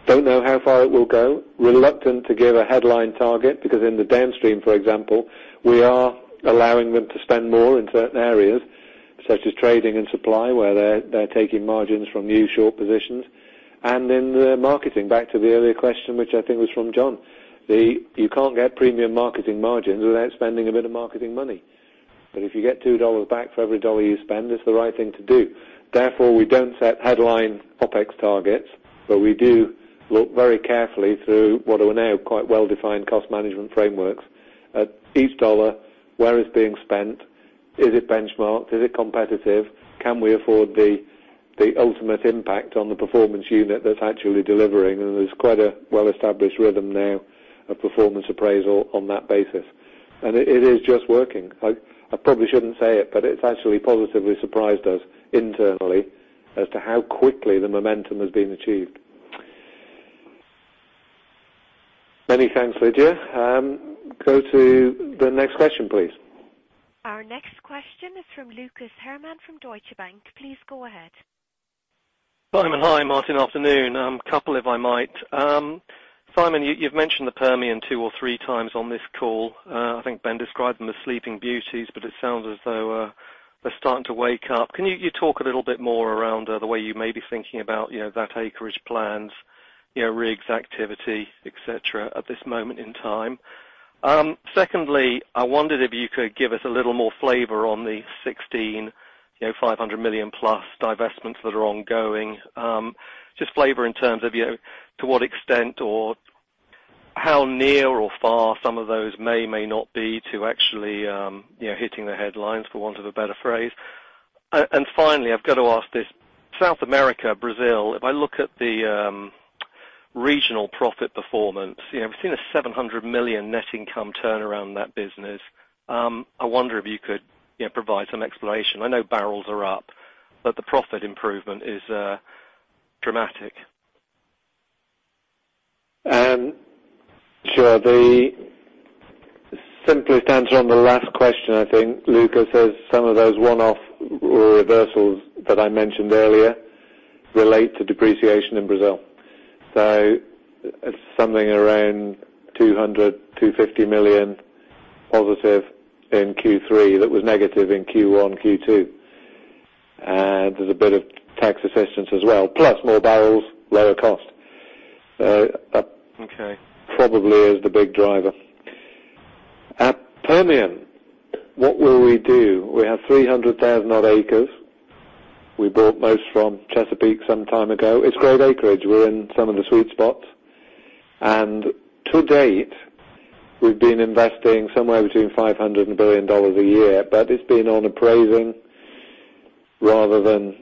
Don't know how far it will go. Reluctant to give a headline target, because in the downstream, for example, we are allowing them to spend more in certain areas, such as trading and supply, where they're taking margins from new short positions. In the marketing, back to the earlier question, which I think was from Jon, you can't get premium marketing margins without spending a bit of marketing money. If you get $2 back for every dollar you spend, it's the right thing to do. Therefore, we don't set headline OpEx targets, but we do look very carefully through what are now quite well-defined cost management frameworks. At each dollar, where it's being spent, is it benchmarked? Is it competitive? Can we afford the ultimate impact on the performance unit that's actually delivering? There's quite a well-established rhythm now of performance appraisal on that basis. It is just working. I probably shouldn't say it, but it's actually positively surprised us internally as to how quickly the momentum has been achieved. Many thanks, Lydia. Go to the next question, please. Our next question is from Lucas Herrmann from Deutsche Bank. Please go ahead. Simon, hi. Maarten, afternoon. Couple, if I might. Simon, you've mentioned the Permian two or three times on this call. I think Ben described them as sleeping beauties, but it sounds as though they're starting to wake up. Can you talk a little bit more around the way you may be thinking about that acreage plans, rigs activity, et cetera, at this moment in time? Secondly, I wondered if you could give us a little more flavor on the $16,500 million-plus divestments that are ongoing. Just flavor in terms of to what extent or how near or far some of those may or may not be to actually hitting the headlines, for want of a better phrase. Finally, I've got to ask this. South America, Brazil, if I look at the regional profit performance, we've seen a $700 million net income turnaround in that business. I wonder if you could provide some explanation. I know barrels are up, the profit improvement is dramatic. Sure. The simplest answer on the last question, I think, Lucas, is some of those one-off reversals that I mentioned earlier relate to depreciation in Brazil. It's something around $200 million-$250 million positive in Q3 that was negative in Q1, Q2. There's a bit of tax assistance as well, plus more barrels, lower cost. Okay. That probably is the big driver. At Permian, what will we do? We have 300,000 odd acres. We bought most from Chesapeake some time ago. It's great acreage. We're in some of the sweet spots. To date, we've been investing somewhere between $500 million and $1 billion a year, it's been on appraising rather than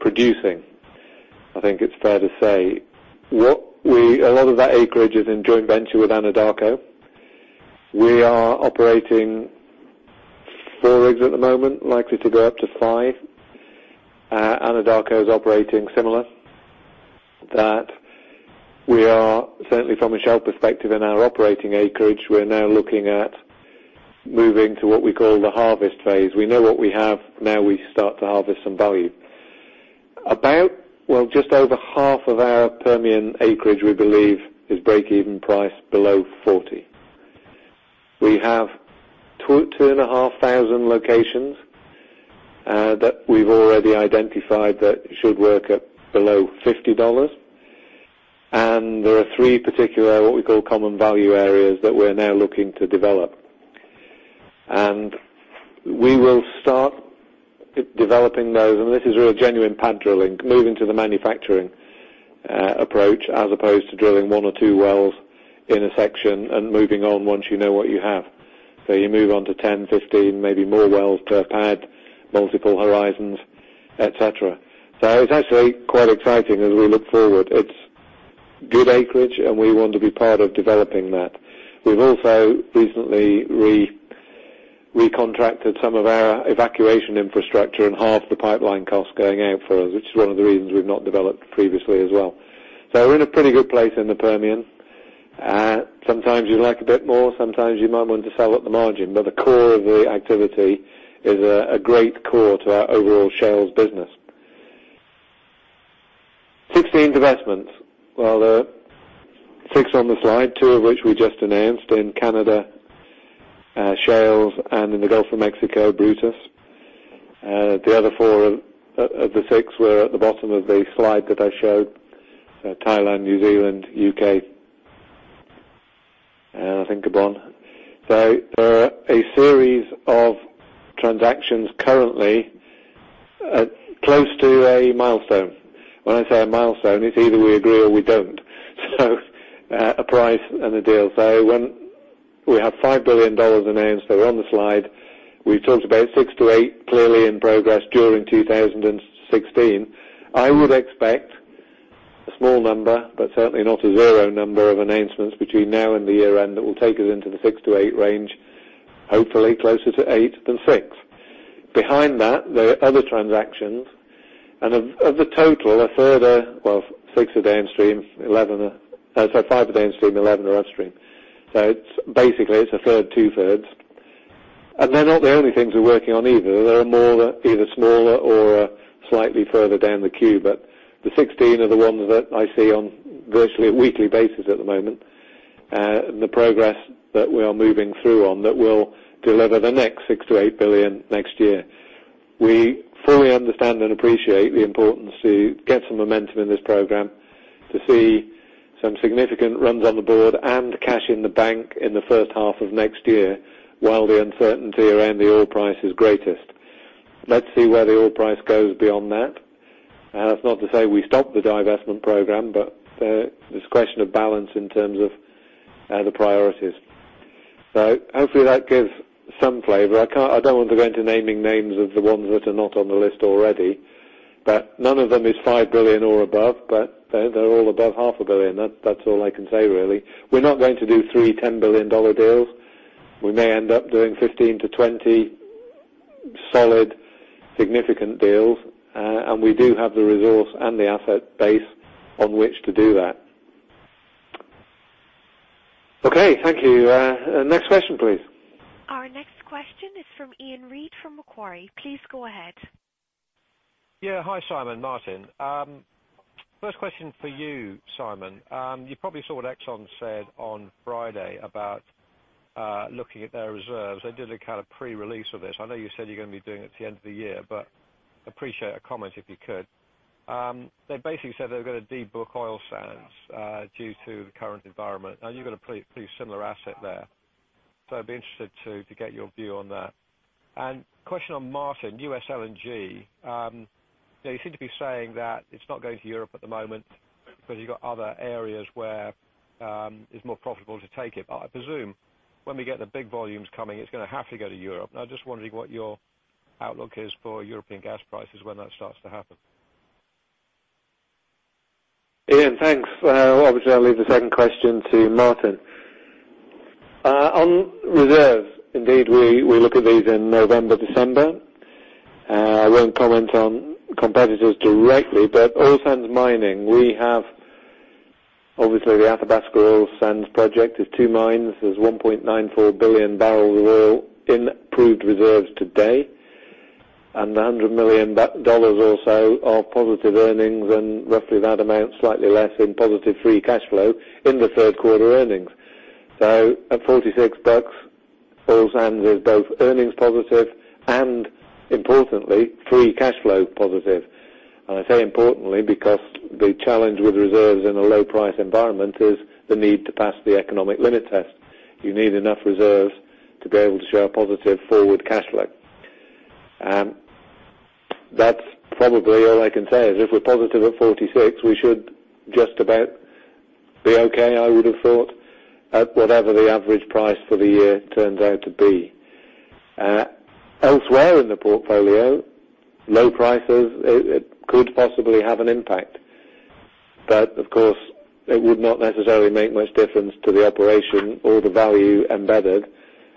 producing. I think it's fair to say. A lot of that acreage is in joint venture with Anadarko. We are operating four rigs at the moment, likely to go up to five. Anadarko is operating similar, that we are certainly from a Shell perspective in our operating acreage, we're now looking at moving to what we call the harvest phase. We know what we have. Now we start to harvest some value. About, well, just over half of our Permian acreage, we believe, is break-even price below $40. We have 2,500 locations that we've already identified that should work at below $50. There are three particular, what we call common value areas, that we're now looking to develop. We will start developing those. This is real genuine pad drilling, moving to the manufacturing approach, as opposed to drilling one or two wells in a section and moving on once you know what you have. You move on to 10, 15, maybe more wells per pad, multiple horizons, et cetera. It's actually quite exciting as we look forward. It's good acreage, and we want to be part of developing that. We've also recently recontracted some of our evacuation infrastructure and halved the pipeline cost going out for us, which is one of the reasons we've not developed previously as well. We're in a pretty good place in the Permian. Sometimes you'd like a bit more, sometimes you might want to sell at the margin. The core of the activity is a great core to our overall Shell's business. 16 divestments. There are 6 on the slide, 2 of which we just announced in Canada Shales and in the Gulf of Mexico, Brutus. The other 4 of the 6 were at the bottom of the slide that I showed. Thailand, New Zealand, U.K., and I think Gabon. There are a series of transactions currently close to a milestone. When I say a milestone, it's either we agree or we don't. A price and a deal. When we have $5 billion announced. They were on the slide. We talked about 6 to 8 clearly in progress during 2016. I would expect a small number, but certainly not a zero number of announcements between now and the year end that will take us into the 6 to 8 range, hopefully closer to 8 than 6. Behind that, there are other transactions, and of the total, a further 5 are downstream, 11 are upstream. Basically, it's a third, two thirds. They're not the only things we're working on, either. There are more that are either smaller or are slightly further down the queue, but the 16 are the ones that I see on virtually a weekly basis at the moment. The progress that we are moving through on that will deliver the next $6 billion-$8 billion next year. We fully understand and appreciate the importance to get some momentum in this program, to see some significant runs on the board and cash in the bank in the first half of next year, while the uncertainty around the oil price is greatest. Let's see where the oil price goes beyond that. That's not to say we stop the divestment program, but there's a question of balance in terms of the priorities. Hopefully that gives some flavor. I don't want to go into naming names of the ones that are not on the list already, but none of them is $5 billion or above. They're all above half a billion. That's all I can say, really. We're not going to do 3 $10 billion deals. We may end up doing 15 to 20 solid, significant deals, and we do have the resource and the asset base on which to do that. Okay. Thank you. Next question, please. Our next question is from Iain Reid from Macquarie. Please go ahead. Yeah. Hi, Simon, Maarten. First question for you, Simon. You probably saw what Exxon said on Friday about looking at their reserves. They did a pre-release of this. I know you said you're going to be doing it at the end of the year, appreciate a comment if you could. They basically said they were going to de-book oil sands due to the current environment, you've got a pretty similar asset there. I'd be interested to get your view on that. Question on Maarten, U.S. LNG. You seem to be saying that it's not going to Europe at the moment because you've got other areas where it's more profitable to take it. I presume when we get the big volumes coming, it's going to have to go to Europe. I'm just wondering what your outlook is for European gas prices when that starts to happen. Iain, thanks. Obviously, I'll leave the second question to Maarten. On reserves, indeed, we look at these in November, December. I won't comment on competitors directly, Oil Sands Mining, we have obviously the Athabasca Oil Sands project. There's two mines. There's 1.94 billion barrels of oil in proved reserves today, and $100 million or so of positive earnings, and roughly that amount, slightly less in positive free cash flow in the third quarter earnings. At $46, Oil Sands is both earnings positive and importantly, free cash flow positive. I say importantly, because the challenge with reserves in a low price environment is the need to pass the economic limit test. You need enough reserves to be able to show a positive forward cash flow. That's probably all I can say is if we're positive at 46, we should just about be okay, I would have thought, at whatever the average price for the year turns out to be. Elsewhere in the portfolio, low prices, it could possibly have an impact. Of course, it would not necessarily make much difference to the operation or the value embedded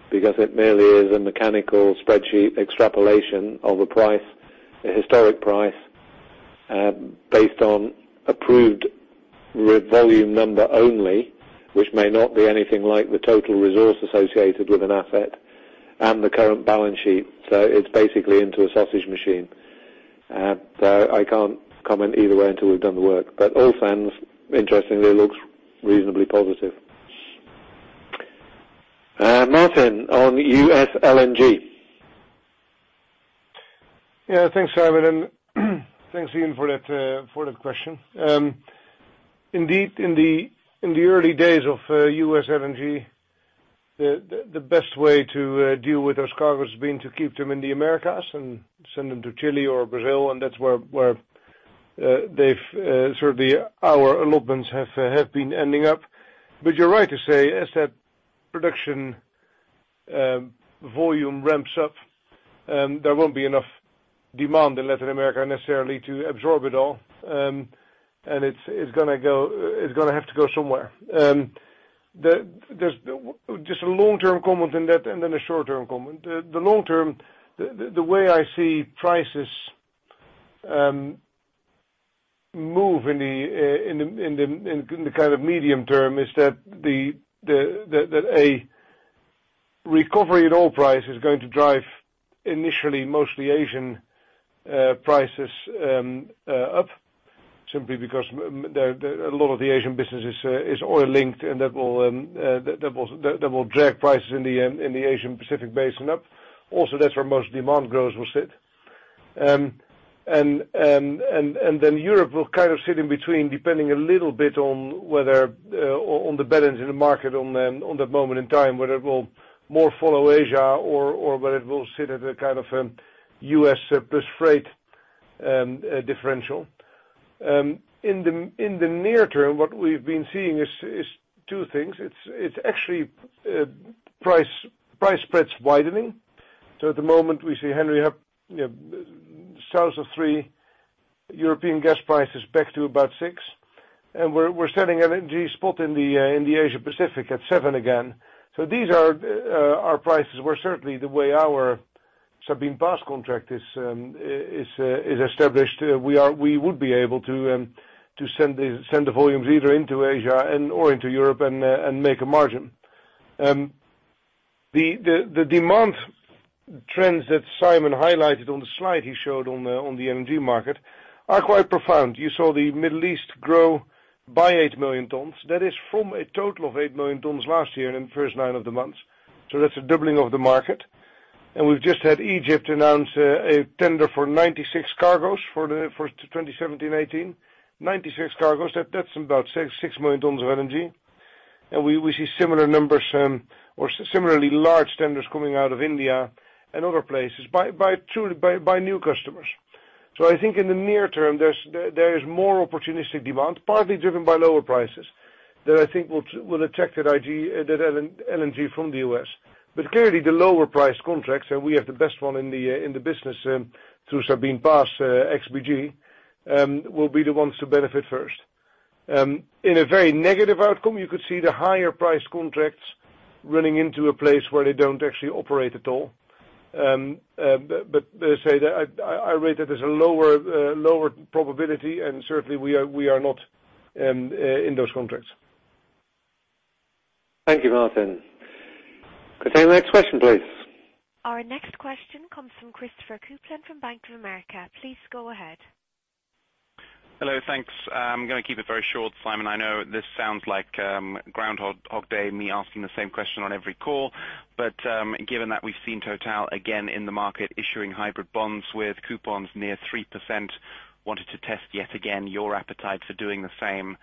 because it merely is a mechanical spreadsheet extrapolation of a price, a historic price, based on approved volume number only, which may not be anything like the total resource associated with an asset and the current balance sheet. It's basically into a sausage machine. I can't comment either way until we've done the work. Oil Sands, interestingly, looks reasonably positive. Maarten, on U.S. LNG. Yeah, thanks, Simon, and thanks, Iain, for that question. Indeed, in the early days of U.S. LNG, the best way to deal with those cargos has been to keep them in the Americas and send them to Chile or Brazil, and that's where they've sort of the hour allotments have been ending up. You're right to say, as that production volume ramps up, there won't be enough demand in Latin America necessarily to absorb it all, and it's going to have to go somewhere. Just a long-term comment in that and then a short-term comment. The long-term, the way I see prices move in the medium term is that a recovery in oil price is going to drive initially mostly Asian prices up, simply because a lot of the Asian business is oil-linked, and that will drag prices in the Asia-Pacific Basin up. Also, that's where most demand growth will sit. Europe will sit in between, depending a little bit on the balance in the market on that moment in time, whether it will more follow Asia or whether it will sit at a U.S. plus freight differential. In the near term, what we've been seeing is two things. It's actually price spreads widening. At the moment, we see Henry Hub sales of three. European gas price is back to about six, and we're selling energy spot in the Asia Pacific at seven again. These are our prices, where certainly the way our Sabine Pass contract is established, we would be able to send the volumes either into Asia and or into Europe and make a margin. The demand trends that Simon highlighted on the slide he showed on the energy market are quite profound. You saw the Middle East grow by 8 million tons. That is from a total of 8 million tons last year in the first 9 of the months. That's a doubling of the market. We've just had Egypt announce a tender for 96 cargos for 2017-'18. 96 cargos, that's about 6 million tons of energy. We see similar numbers or similarly large tenders coming out of India and other places by new customers. I think in the near term, there is more opportunistic demand, partly driven by lower prices, that I think will attract that LNG from the U.S. Clearly the lower price contracts, and we have the best one in the business through Sabine Pass, ex-BG, will be the ones to benefit first. In a very negative outcome, you could see the higher price contracts running into a place where they don't actually operate at all. As I say, I rate it as a lower probability, and certainly we are not in those contracts. Thank you, Maarten. Could I take the next question, please? Our next question comes from Christopher Kuplent from Bank of America. Please go ahead. Hello, thanks. I'm going to keep it very short. Simon, I know this sounds like Groundhog Day, me asking the same question on every call. Given that we've seen Total again in the market issuing hybrid bonds with coupons near 3%, wanted to test yet again your appetite for doing the same.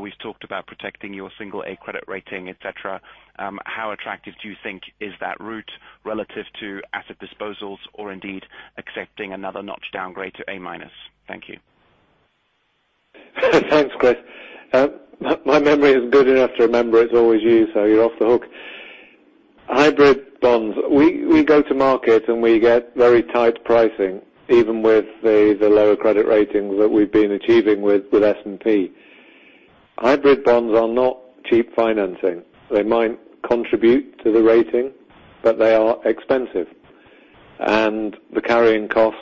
We've talked about protecting your single A credit rating, et cetera. How attractive do you think is that route relative to asset disposals or indeed accepting another notch downgrade to A-minus? Thank you. Thanks, Chris. My memory isn't good enough to remember it's always you, so you're off the hook. Hybrid bonds. We go to market and we get very tight pricing, even with the lower credit ratings that we've been achieving with S&P. Hybrid bonds are not cheap financing. They might contribute to the rating, but they are expensive. The carrying cost,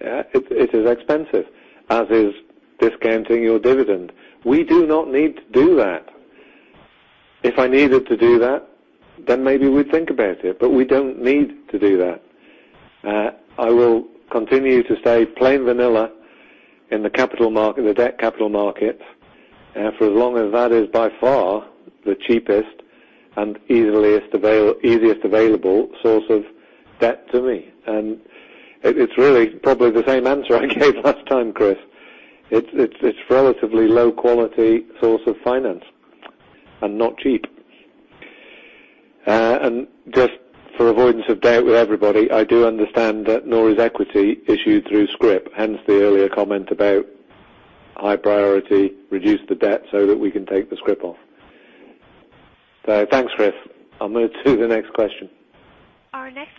it is expensive, as is discounting your dividend. We do not need to do that. If I needed to do that, then maybe we'd think about it, but we don't need to do that. I will continue to stay plain vanilla in the debt capital market for as long as that is by far the cheapest and easiest available source of debt to me. It's really probably the same answer I gave last time, Chris. It's relatively low quality source of finance and not cheap. Just for avoidance of doubt with everybody, I do understand that [Nora's] equity issued through scrip, hence the earlier comment about high priority, reduce the debt so that we can take the scrip off. Thanks, Chris. Our next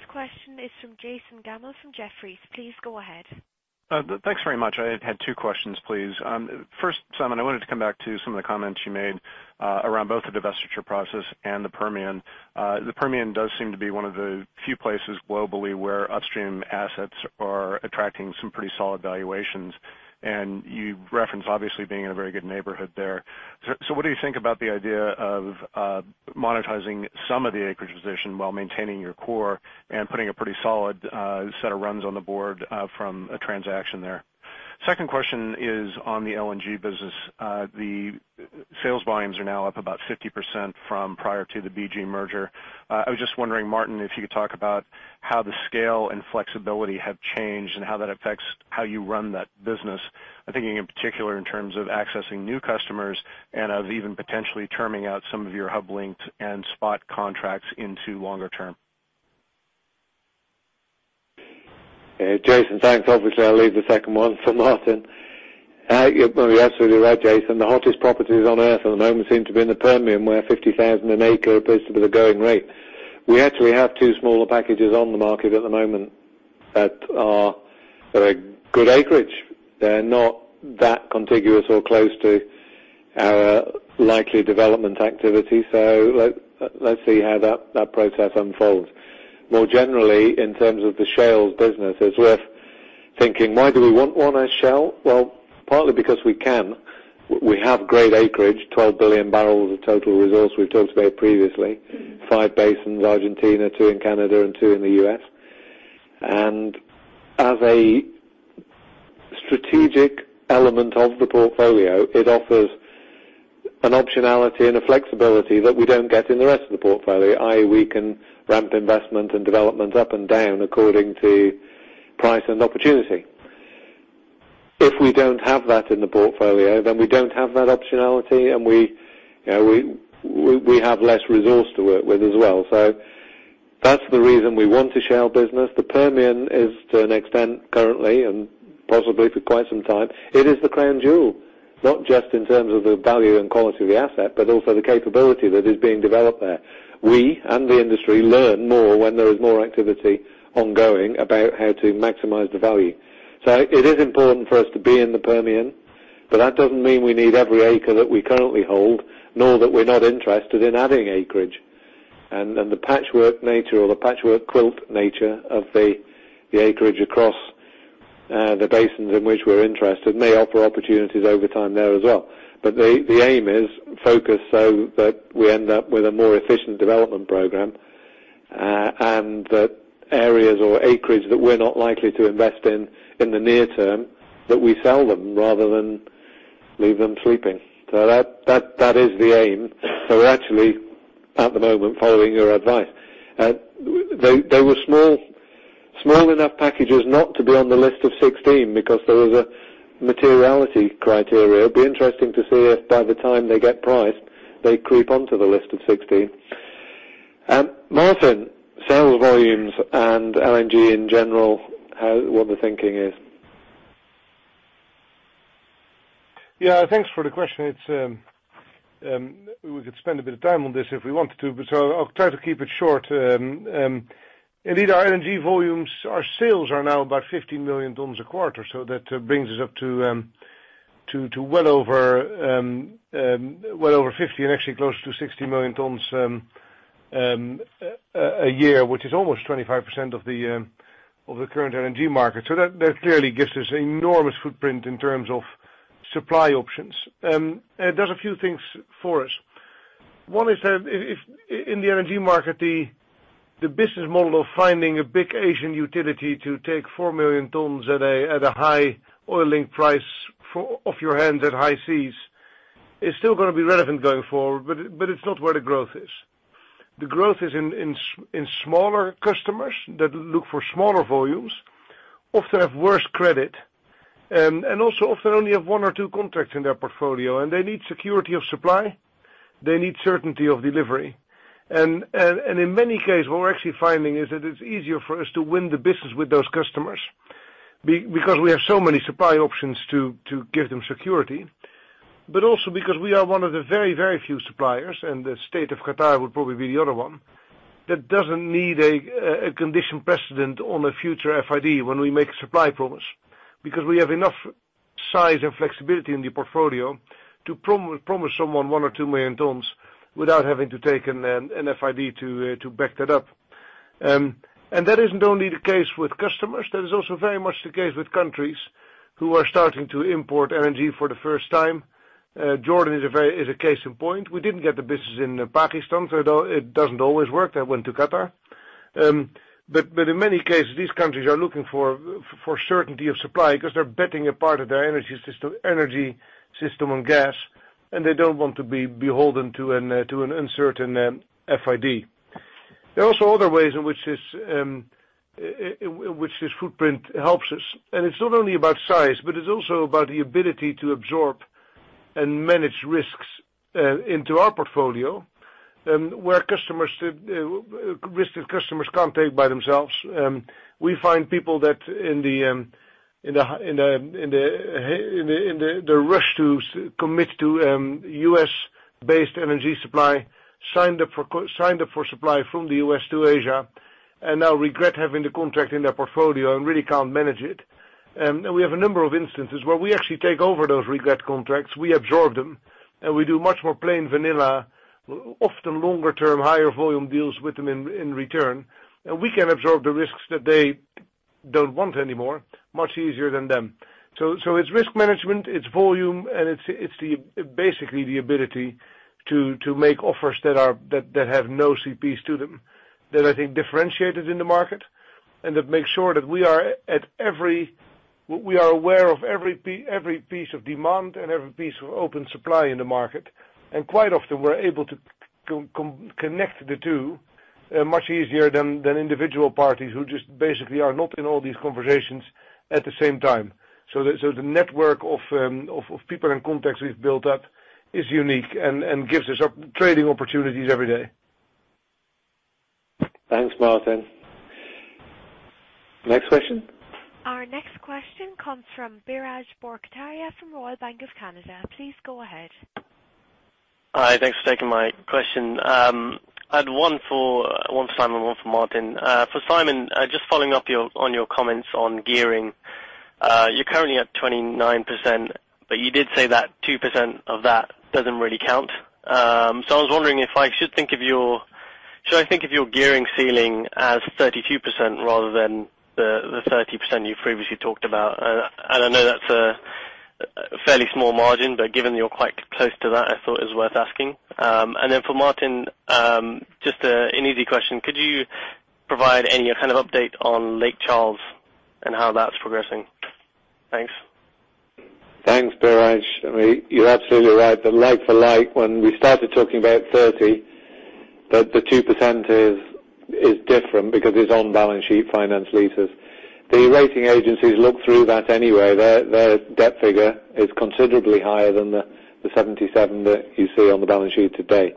question is from Jason Gammel from Jefferies. Please go ahead. Thanks very much. I had two questions, please. First, Simon, I wanted to come back to some of the comments you made around both the divestiture process and the Permian. The Permian does seem to be one of the few places globally where upstream assets are attracting some pretty solid valuations. You referenced, obviously, being in a very good neighborhood there. What do you think about the idea of monetizing some of the acreage position while maintaining your core and putting a pretty solid set of runs on the board from a transaction there? Second question is on the LNG business. The sales volumes are now up about 50% from prior to the BG merger. I was just wondering, Martin, if you could talk about how the scale and flexibility have changed and how that affects how you run that business. I'm thinking in particular in terms of accessing new customers and of even potentially terming out some of your hub links and spot contracts into longer term. Jason, thanks. I'll leave the second one for Maarten. You're absolutely right, Jason. The hottest properties on Earth at the moment seem to be in the Permian, where $50,000 an acre appears to be the going rate. We actually have two smaller packages on the market at the moment that are very good acreage. They're not that contiguous or close to our likely development activity. Let's see how that process unfolds. More generally, in terms of the shale business, it's worth thinking, why do we want one as Shell? Partly because we can. We have great acreage, 12 billion barrels of total resource we've talked about previously. Five basins, Argentina, two in Canada, and two in the U.S. As a strategic element of the portfolio, it offers an optionality and a flexibility that we don't get in the rest of the portfolio, i.e., we can ramp investment and development up and down according to price and opportunity. If we don't have that in the portfolio, then we don't have that optionality, and we have less resource to work with as well. That's the reason we want a Shell business. The Permian is, to an extent currently, and possibly for quite some time, it is the crown jewel. Not just in terms of the value and quality of the asset, but also the capability that is being developed there. We, and the industry, learn more when there is more activity ongoing about how to maximize the value. It is important for us to be in the Permian, but that doesn't mean we need every acre that we currently hold, nor that we're not interested in adding acreage. The patchwork nature or the patchwork quilt nature of the acreage across the basins in which we're interested may offer opportunities over time there as well. The aim is focus so that we end up with a more efficient development program, and that areas or acreage that we're not likely to invest in in the near term, that we sell them rather than leave them sleeping. That is the aim. We're actually at the moment following your advice. There were Small enough packages not to be on the list of 16 because there was a materiality criteria. It'll be interesting to see if by the time they get priced, they creep onto the list of 16. Maarten, sales volumes and LNG in general, what the thinking is. Yeah, thanks for the question. We could spend a bit of time on this if we wanted to. I'll try to keep it short. Indeed, our LNG volumes, our sales are now about 15 million tons a quarter, that brings us up to well over 50 and actually close to 60 million tons a year, which is almost 25% of the current LNG market. That clearly gives us enormous footprint in terms of supply options. It does a few things for us. One is that in the LNG market, the business model of finding a big Asian utility to take 4 million tons at a high oil-linked price off your hands at high seas is still going to be relevant going forward, it's not where the growth is. The growth is in smaller customers that look for smaller volumes, often have worse credit, also often only have one or two contracts in their portfolio, they need security of supply. They need certainty of delivery. In many cases, what we're actually finding is that it's easier for us to win the business with those customers because we have so many supply options to give them security. Also because we are one of the very few suppliers, and the state of Qatar would probably be the other one, that doesn't need a condition precedent on a future FID when we make a supply promise. We have enough size and flexibility in the portfolio to promise someone 1 or 2 million tons without having to take an FID to back that up. That isn't only the case with customers, that is also very much the case with countries who are starting to import LNG for the first time. Jordan is a case in point. We didn't get the business in Pakistan, it doesn't always work. That went to Qatar. In many cases, these countries are looking for certainty of supply because they're betting a part of their energy system on gas, they don't want to be beholden to an uncertain FID. There are also other ways in which this footprint helps us, it's not only about size, but it's also about the ability to absorb and manage risks into our portfolio, risks that customers can't take by themselves. We find people that in the rush to commit to U.S.-based energy supply, signed up for supply from the U.S. to Asia and now regret having the contract in their portfolio and really can't manage it. We have a number of instances where we actually take over those regret contracts. We absorb them, and we do much more plain vanilla, often longer-term, higher volume deals with them in return. We can absorb the risks that they don't want anymore, much easier than them. It's risk management, it's volume, and it's basically the ability to make offers that have no CPs to them, that I think differentiate us in the market. That makes sure that we are aware of every piece of demand and every piece of open supply in the market. Quite often, we're able to connect the two much easier than individual parties who just basically are not in all these conversations at the same time. The network of people and contacts we've built up is unique and gives us trading opportunities every day. Thanks, Maarten. Next question? Our next question comes from Biraj Borkhataria from Royal Bank of Canada. Please go ahead. Hi, thanks for taking my question. I had one for Simon, one for Maarten. For Simon, just following up on your comments on gearing. You're currently at 29%. You did say that 2% of that doesn't really count. I was wondering, should I think of your gearing ceiling as 32% rather than the 30% you previously talked about? I know that's a fairly small margin, but given you're quite close to that, I thought it was worth asking. For Maarten, just an easy question. Could you provide any kind of update on Lake Charles and how that's progressing? Thanks. Thanks, Biraj. You're absolutely right that like for like, when we started talking about 30%, that the 2% is different because it's on-balance sheet finance leases. The rating agencies look through that anyway. Their debt figure is considerably higher than the $77 that you see on the balance sheet today.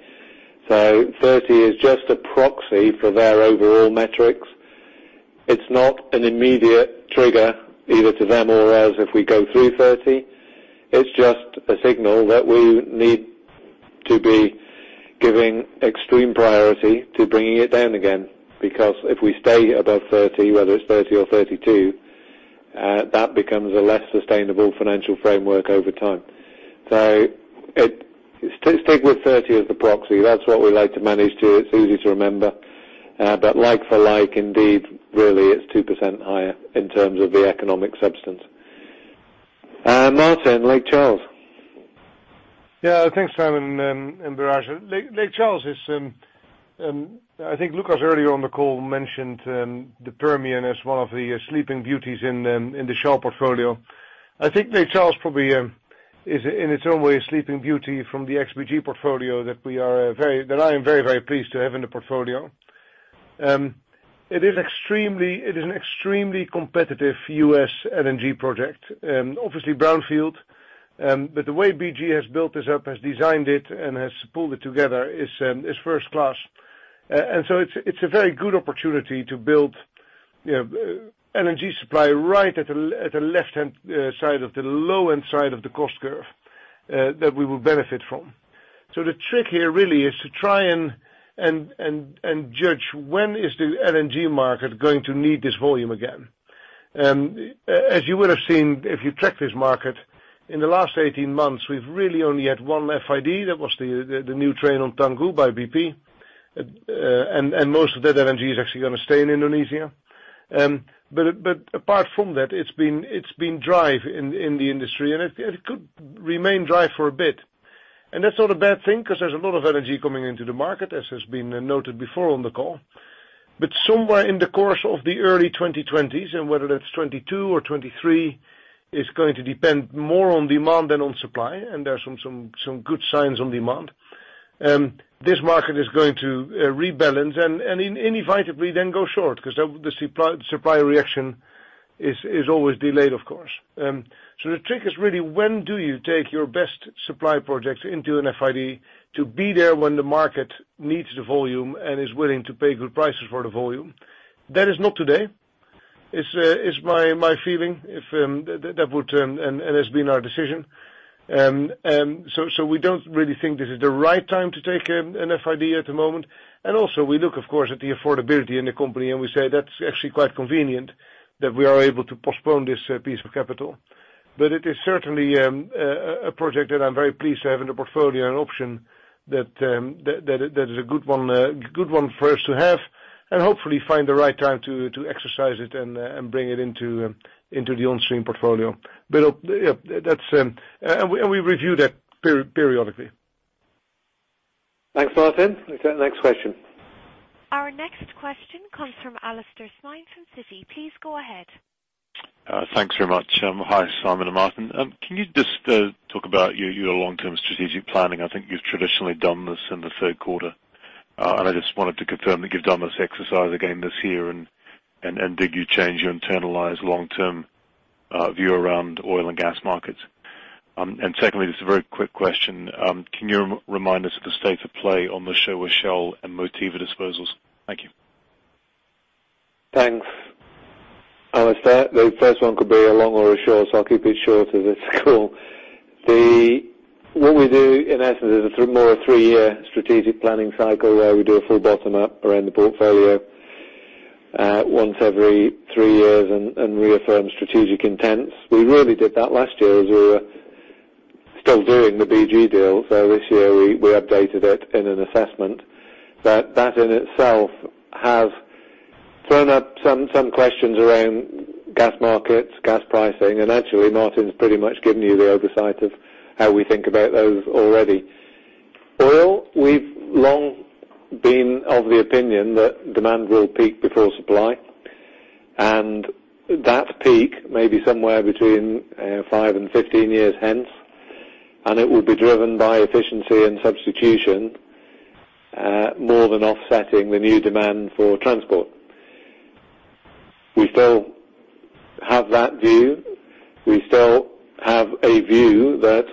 30% is just a proxy for their overall metrics. It's not an immediate trigger either to them or else if we go through 30%. It's just a signal that we need to be giving extreme priority to bringing it down again. If we stay above 30%, whether it's 30% or 32%, that becomes a less sustainable financial framework over time. Stick with 30% as the proxy. That's what we like to manage to. It's easy to remember. Like for like, indeed, really, it's 2% higher in terms of the economic substance. Maarten, Lake Charles. Thanks, Simon and Biraj. Lake Charles is, I think Lucas earlier on the call mentioned the Permian as one of the sleeping beauties in the Shell portfolio. I think Lake Charles probably is in its own way a sleeping beauty from the ex-BG portfolio that I am very pleased to have in the portfolio. It is an extremely competitive U.S. LNG project. Obviously brownfield, the way BG has built this up, has designed it, and has pulled it together is first class. It's a very good opportunity to build LNG supply right at the left-hand side of the low-end side of the cost curve, that we will benefit from. The trick here really is to try and judge when is the LNG market going to need this volume again. As you would've seen, if you tracked this market, in the last 18 months, we've really only had one FID. That was the new train on Tangguh by BP. Most of that LNG is actually going to stay in Indonesia. Apart from that, it's been dry in the industry, and it could remain dry for a bit. That's not a bad thing because there's a lot of energy coming into the market, as has been noted before on the call. Somewhere in the course of the early 2020s, whether that's 2022 or 2023, it's going to depend more on demand than on supply. There are some good signs on demand. This market is going to rebalance and inevitably then go short, because the supply reaction is always delayed, of course. The trick is really when do you take your best supply projects into an FID to be there when the market needs the volume and is willing to pay good prices for the volume? That is not today, is my feeling and has been our decision. We don't really think this is the right time to take an FID at the moment. We look, of course, at the affordability in the company, and we say that's actually quite convenient that we are able to postpone this piece of capital. It is certainly a project that I'm very pleased to have in the portfolio, an option that is a good one for us to have. Hopefully find the right time to exercise it and bring it into the onstream portfolio. We review that periodically. Thanks, Maarten. Let's go to the next question. Our next question comes from Alastair Syme from Citi. Please go ahead. Thanks very much. Hi, Simon and Maarten. Can you just talk about your long-term strategic planning? I think you've traditionally done this in the third quarter. I just wanted to confirm that you've done this exercise again this year and did you change your internalized long-term view around oil and gas markets? Secondly, just a very quick question. Can you remind us of the state of play on the Showa Shell and Motiva disposals? Thank you. Thanks, Alastair. The first one could be a long or a short, so I'll keep it short as it's a call. What we do in essence is a more three-year strategic planning cycle where we do a full bottom up around the portfolio, once every three years and reaffirm strategic intents. We really did that last year as we were still doing the BG deal. This year we updated it in an assessment. That in itself has thrown up some questions around gas markets, gas pricing, and actually Maarten's pretty much given you the oversight of how we think about those already. Oil, we've long been of the opinion that demand will peak before supply, and that peak may be somewhere between 5 and 15 years hence, and it will be driven by efficiency and substitution, more than offsetting the new demand for transport. We still have that view. We still have a view that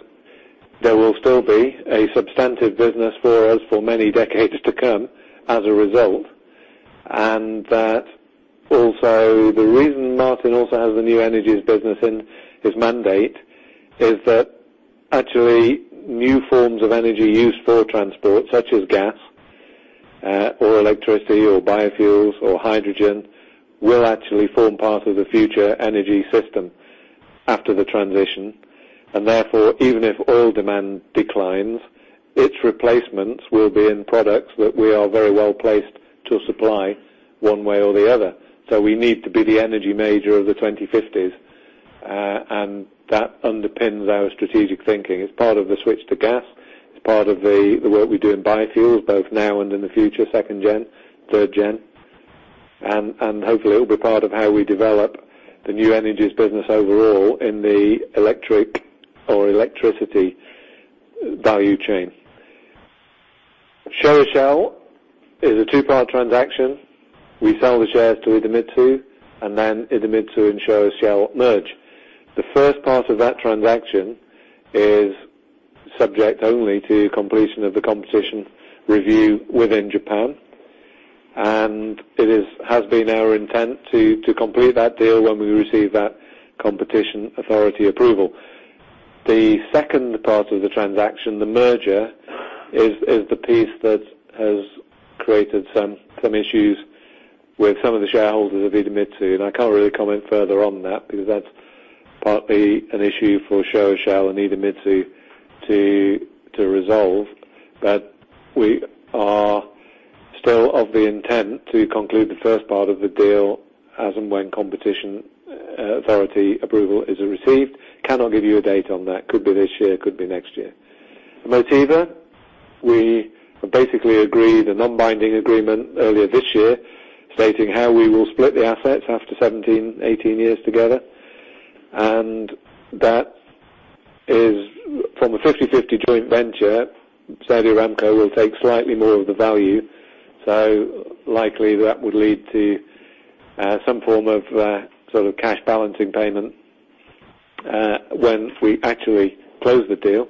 there will still be a substantive business for us for many decades to come as a result. That also the reason Maarten also has the new energies business in his mandate is that actually new forms of energy used for transport, such as gas, or electricity or biofuels or hydrogen, will actually form part of the future energy system after the transition. Therefore, even if oil demand declines, its replacements will be in products that we are very well placed to supply one way or the other. We need to be the energy major of the 2050s. That underpins our strategic thinking. It's part of the switch to gas. It's part of the work we do in biofuels, both now and in the future, second-gen, third-gen. Hopefully it will be part of how we develop the new energies business overall in the electric or electricity value chain. Showa Shell is a two-part transaction. We sell the shares to Idemitsu, then Idemitsu and Showa Shell merge. The first part of that transaction is subject only to completion of the competition review within Japan. It has been our intent to complete that deal when we receive that competition authority approval. The second part of the transaction, the merger, is the piece that has created some issues with some of the shareholders of Idemitsu, I can't really comment further on that because that's partly an issue for Showa Shell and Idemitsu to resolve. We are still of the intent to conclude the first part of the deal as and when competition authority approval is received. Cannot give you a date on that. Could be this year, could be next year. Motiva We basically agreed a non-binding agreement earlier this year stating how we will split the assets after 17, 18 years together. That is from a 50/50 joint venture, Saudi Aramco will take slightly more of the value, likely that would lead to some form of cash balancing payment when we actually close the deal.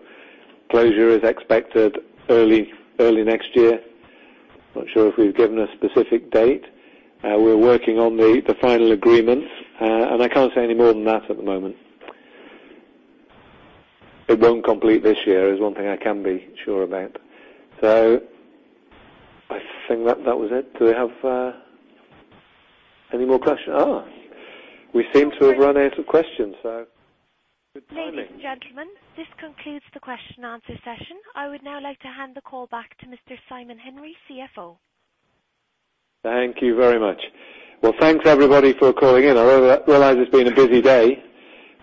Closure is expected early next year. Not sure if we've given a specific date. We're working on the final agreements. I can't say any more than that at the moment. It won't complete this year, is one thing I can be sure about. I think that was it. Do we have any more questions? We seem to have run out of questions, good timing. Ladies and gentlemen, this concludes the question and answer session. I would now like to hand the call back to Mr. Simon Henry, CFO. Thank you very much. Well, thanks everybody for calling in. I realize it's been a busy day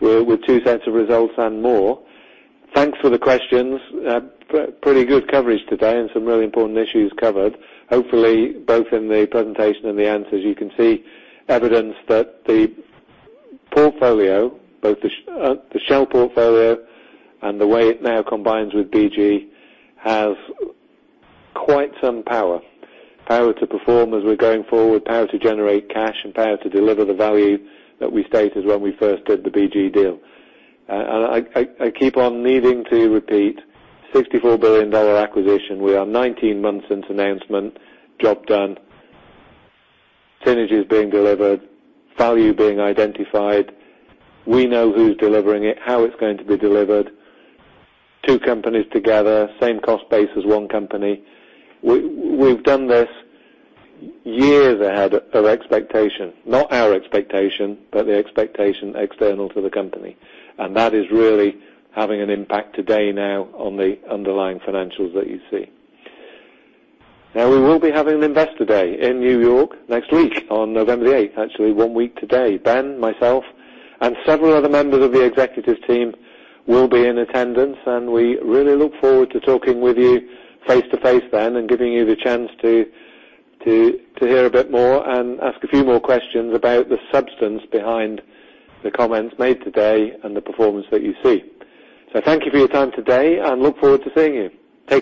with two sets of results and more. Thanks for the questions. Pretty good coverage today and some really important issues covered. Hopefully, both in the presentation and the answers, you can see evidence that the portfolio, both the Shell portfolio and the way it now combines with BG, have quite some power. Power to perform as we're going forward, power to generate cash, and power to deliver the value that we stated when we first did the BG deal. I keep on needing to repeat $64 billion acquisition. We are 19 months since announcement, job done, synergies being delivered, value being identified. We know who's delivering it, how it's going to be delivered. Two companies together, same cost base as one company. We've done this years ahead of expectation. Not our expectation, but the expectation external to the company. That is really having an impact today now on the underlying financials that you see. Now, we will be having an investor day in New York next week on November the 8th, actually one week today. Ben, myself, and several other members of the executives team will be in attendance, and we really look forward to talking with you face-to-face then, and giving you the chance to hear a bit more and ask a few more questions about the substance behind the comments made today and the performance that you see. Thank you for your time today, and look forward to seeing you. Take care.